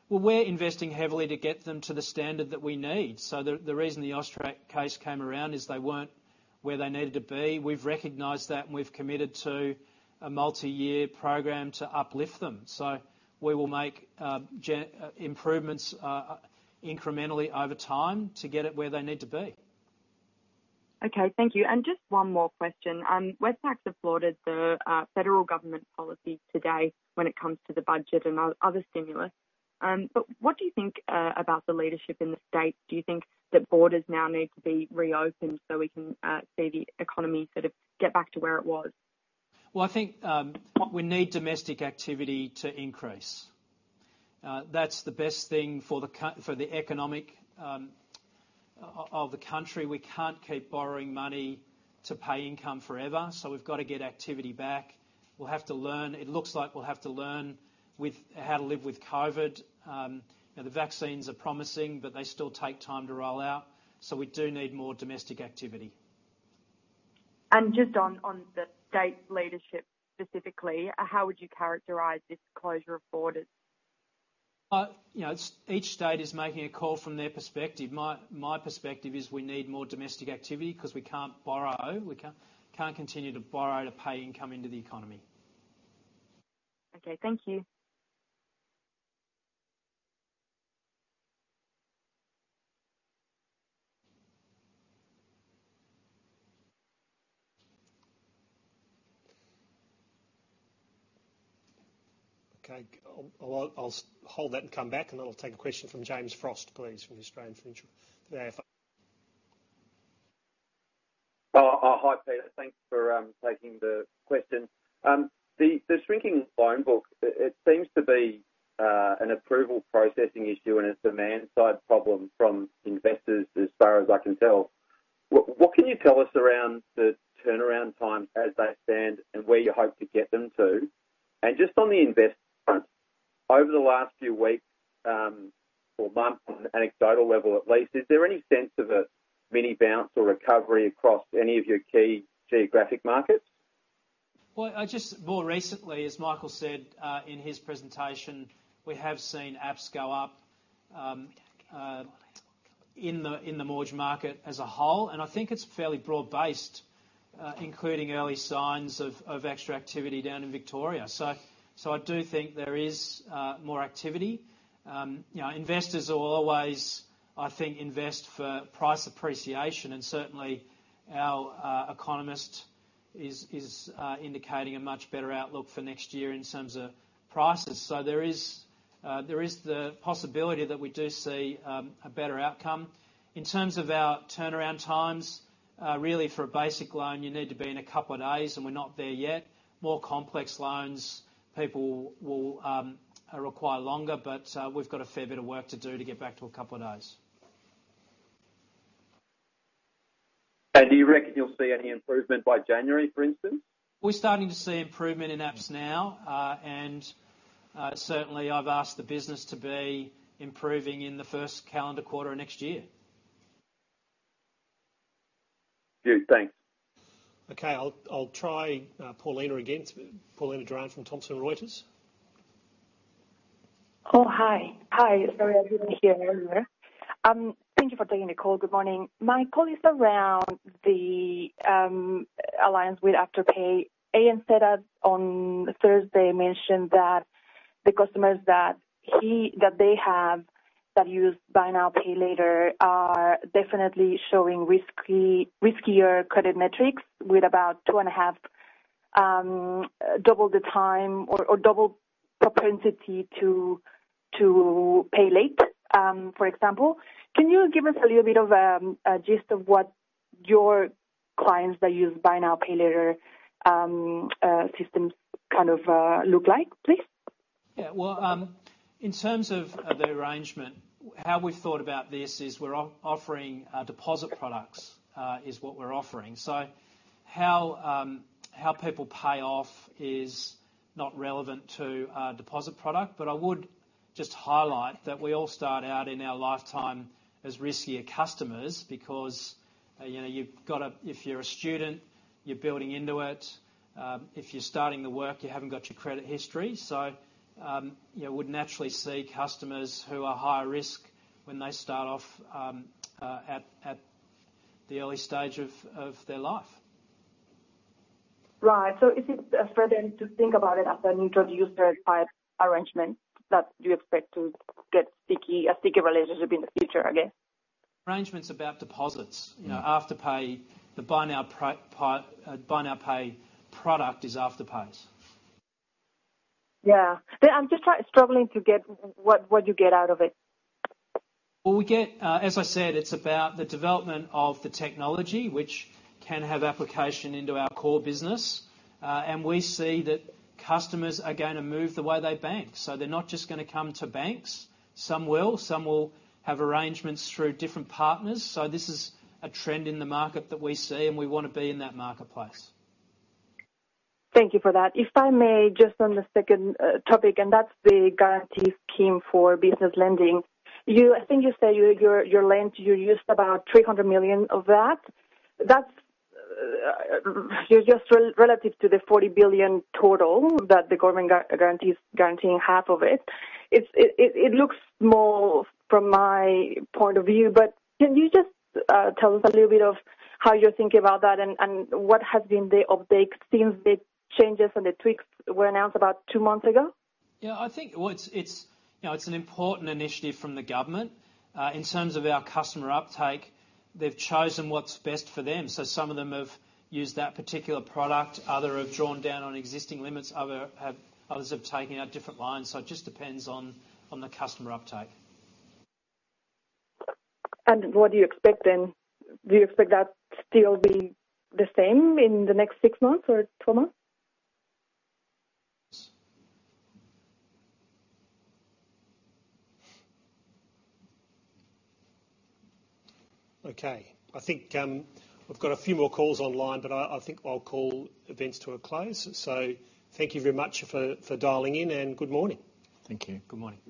We're investing heavily to get them to the standard that we need. The reason the AUSTRAC case came around is they weren't where they needed to be. We've recognized that, and we've committed to a multi-year program to uplift them. We will make improvements incrementally over time to get it where they need to be. Okay. Thank you. And just one more question. Westpac supported the federal government policy today when it comes to the budget and other stimulus. But what do you think about the leadership in the state? Do you think that borders now need to be reopened so we can see the economy sort of get back to where it was? I think we need domestic activity to increase. That's the best thing for the economy of the country. We can't keep borrowing money to pay income forever. So we've got to get activity back. We'll have to learn. It looks like we'll have to learn how to live with COVID. The vaccines are promising, but they still take time to roll out. So we do need more domestic activity. And just on the state leadership specifically, how would you characterize this closure of borders? Each state is making a call from their perspective. My perspective is we need more domestic activity because we can't borrow. We can't continue to borrow to pay income into the economy. Okay. Thank you. Okay. I'll hold that and come back. And then I'll take a question from James Frost, please, from the Australian Financial Review. Hi, Peter. Thanks for taking the question. The shrinking loan book, it seems to be an approval processing issue and a demand-side problem from investors as far as I can tell. What can you tell us around the turnaround time as they stand and where you hope to get them to? And just on the investments, over the last few weeks or months on an anecdotal level at least, is there any sense of a mini bounce or recovery across any of your key geographic markets? Well, just more recently, as Michael said in his presentation, we have seen apps go up in the mortgage market as a whole. And I think it's fairly broad-based, including early signs of extra activity down in Victoria. So I do think there is more activity. Investors will always, I think, invest for price appreciation. And certainly, our economist is indicating a much better outlook for next year in terms of prices. So there is the possibility that we do see a better outcome. In terms of our turnaround times, really for a basic loan, you need to be in a couple of days, and we're not there yet. More complex loans, people will require longer. But we've got a fair bit of work to do to get back to a couple of days. Do you reckon you'll see any improvement by January, for instance? We're starting to see improvement in apps now. Certainly, I've asked the business to be improving in the first calendar quarter of next year. Dude, thanks. Okay. I'll try Paulina again. Paulina Duran from Thomson Reuters. Oh, hi. Hi. Sorry, I didn't hear you. Thank you for taking the call. Good morning. My call is around the alliance with Afterpay. ANZ on Thursday mentioned that the customers that they have that use buy now pay Llater are definitely showing riskier credit metrics with about two and a half double the time or double propensity to pay late, for example. Can you give us a little bit of a gist of what your clients that use buy now pay later systems kind of look like, please? Yeah. Well, in terms of the arrangement, how we've thought about this is we're offering deposit products is what we're offering. So how people pay off is not relevant to our deposit product. But I would just highlight that we all start out in our lifetime as riskier customers because you've got to if you're a student, you're building into it. If you're starting to work, you haven't got your credit history. So you would naturally see customers who are higher risk when they start off at the early stage of their life. Right. So is it for them to think about it as a mutual user-type arrangement that you expect to get a sticky relationship in the future again? Arrangements about deposits. Afterpay, the Buy Now Pay Later product is Afterpay's. Yeah. I'm just struggling to get what you get out of it. Well, we get as I said, it's about the development of the technology, which can have application into our core business. And we see that customers are going to move the way they bank. So they're not just going to come to banks. Some will. Some will have arrangements through different partners. So this is a trend in the market that we see, and we want to be in that marketplace. Thank you for that. If I may, just on the second topic, and that's the guarantee scheme for business lending. I think you said you used about 300 million of that. That's just relative to the 40 billion total that the government guarantees guaranteeing half of it. It looks small from my point of view. But can you just tell us a little bit of how you're thinking about that and what has been the update since the changes and the tweaks were announced about two months ago? Yeah. I think, well, it's an important initiative from the government. In terms of our customer uptake, they've chosen what's best for them. So some of them have used that particular product. Others have drawn down on existing limits. Others have taken out different lines. So it just depends on the customer uptake. And what do you expect then? Do you expect that still be the same in the next six months or twelve months? Okay. I think we've got a few more calls online, but I think I'll call events to a close. So thank you very much for dialing in, and good morning. Thank you. Good morning.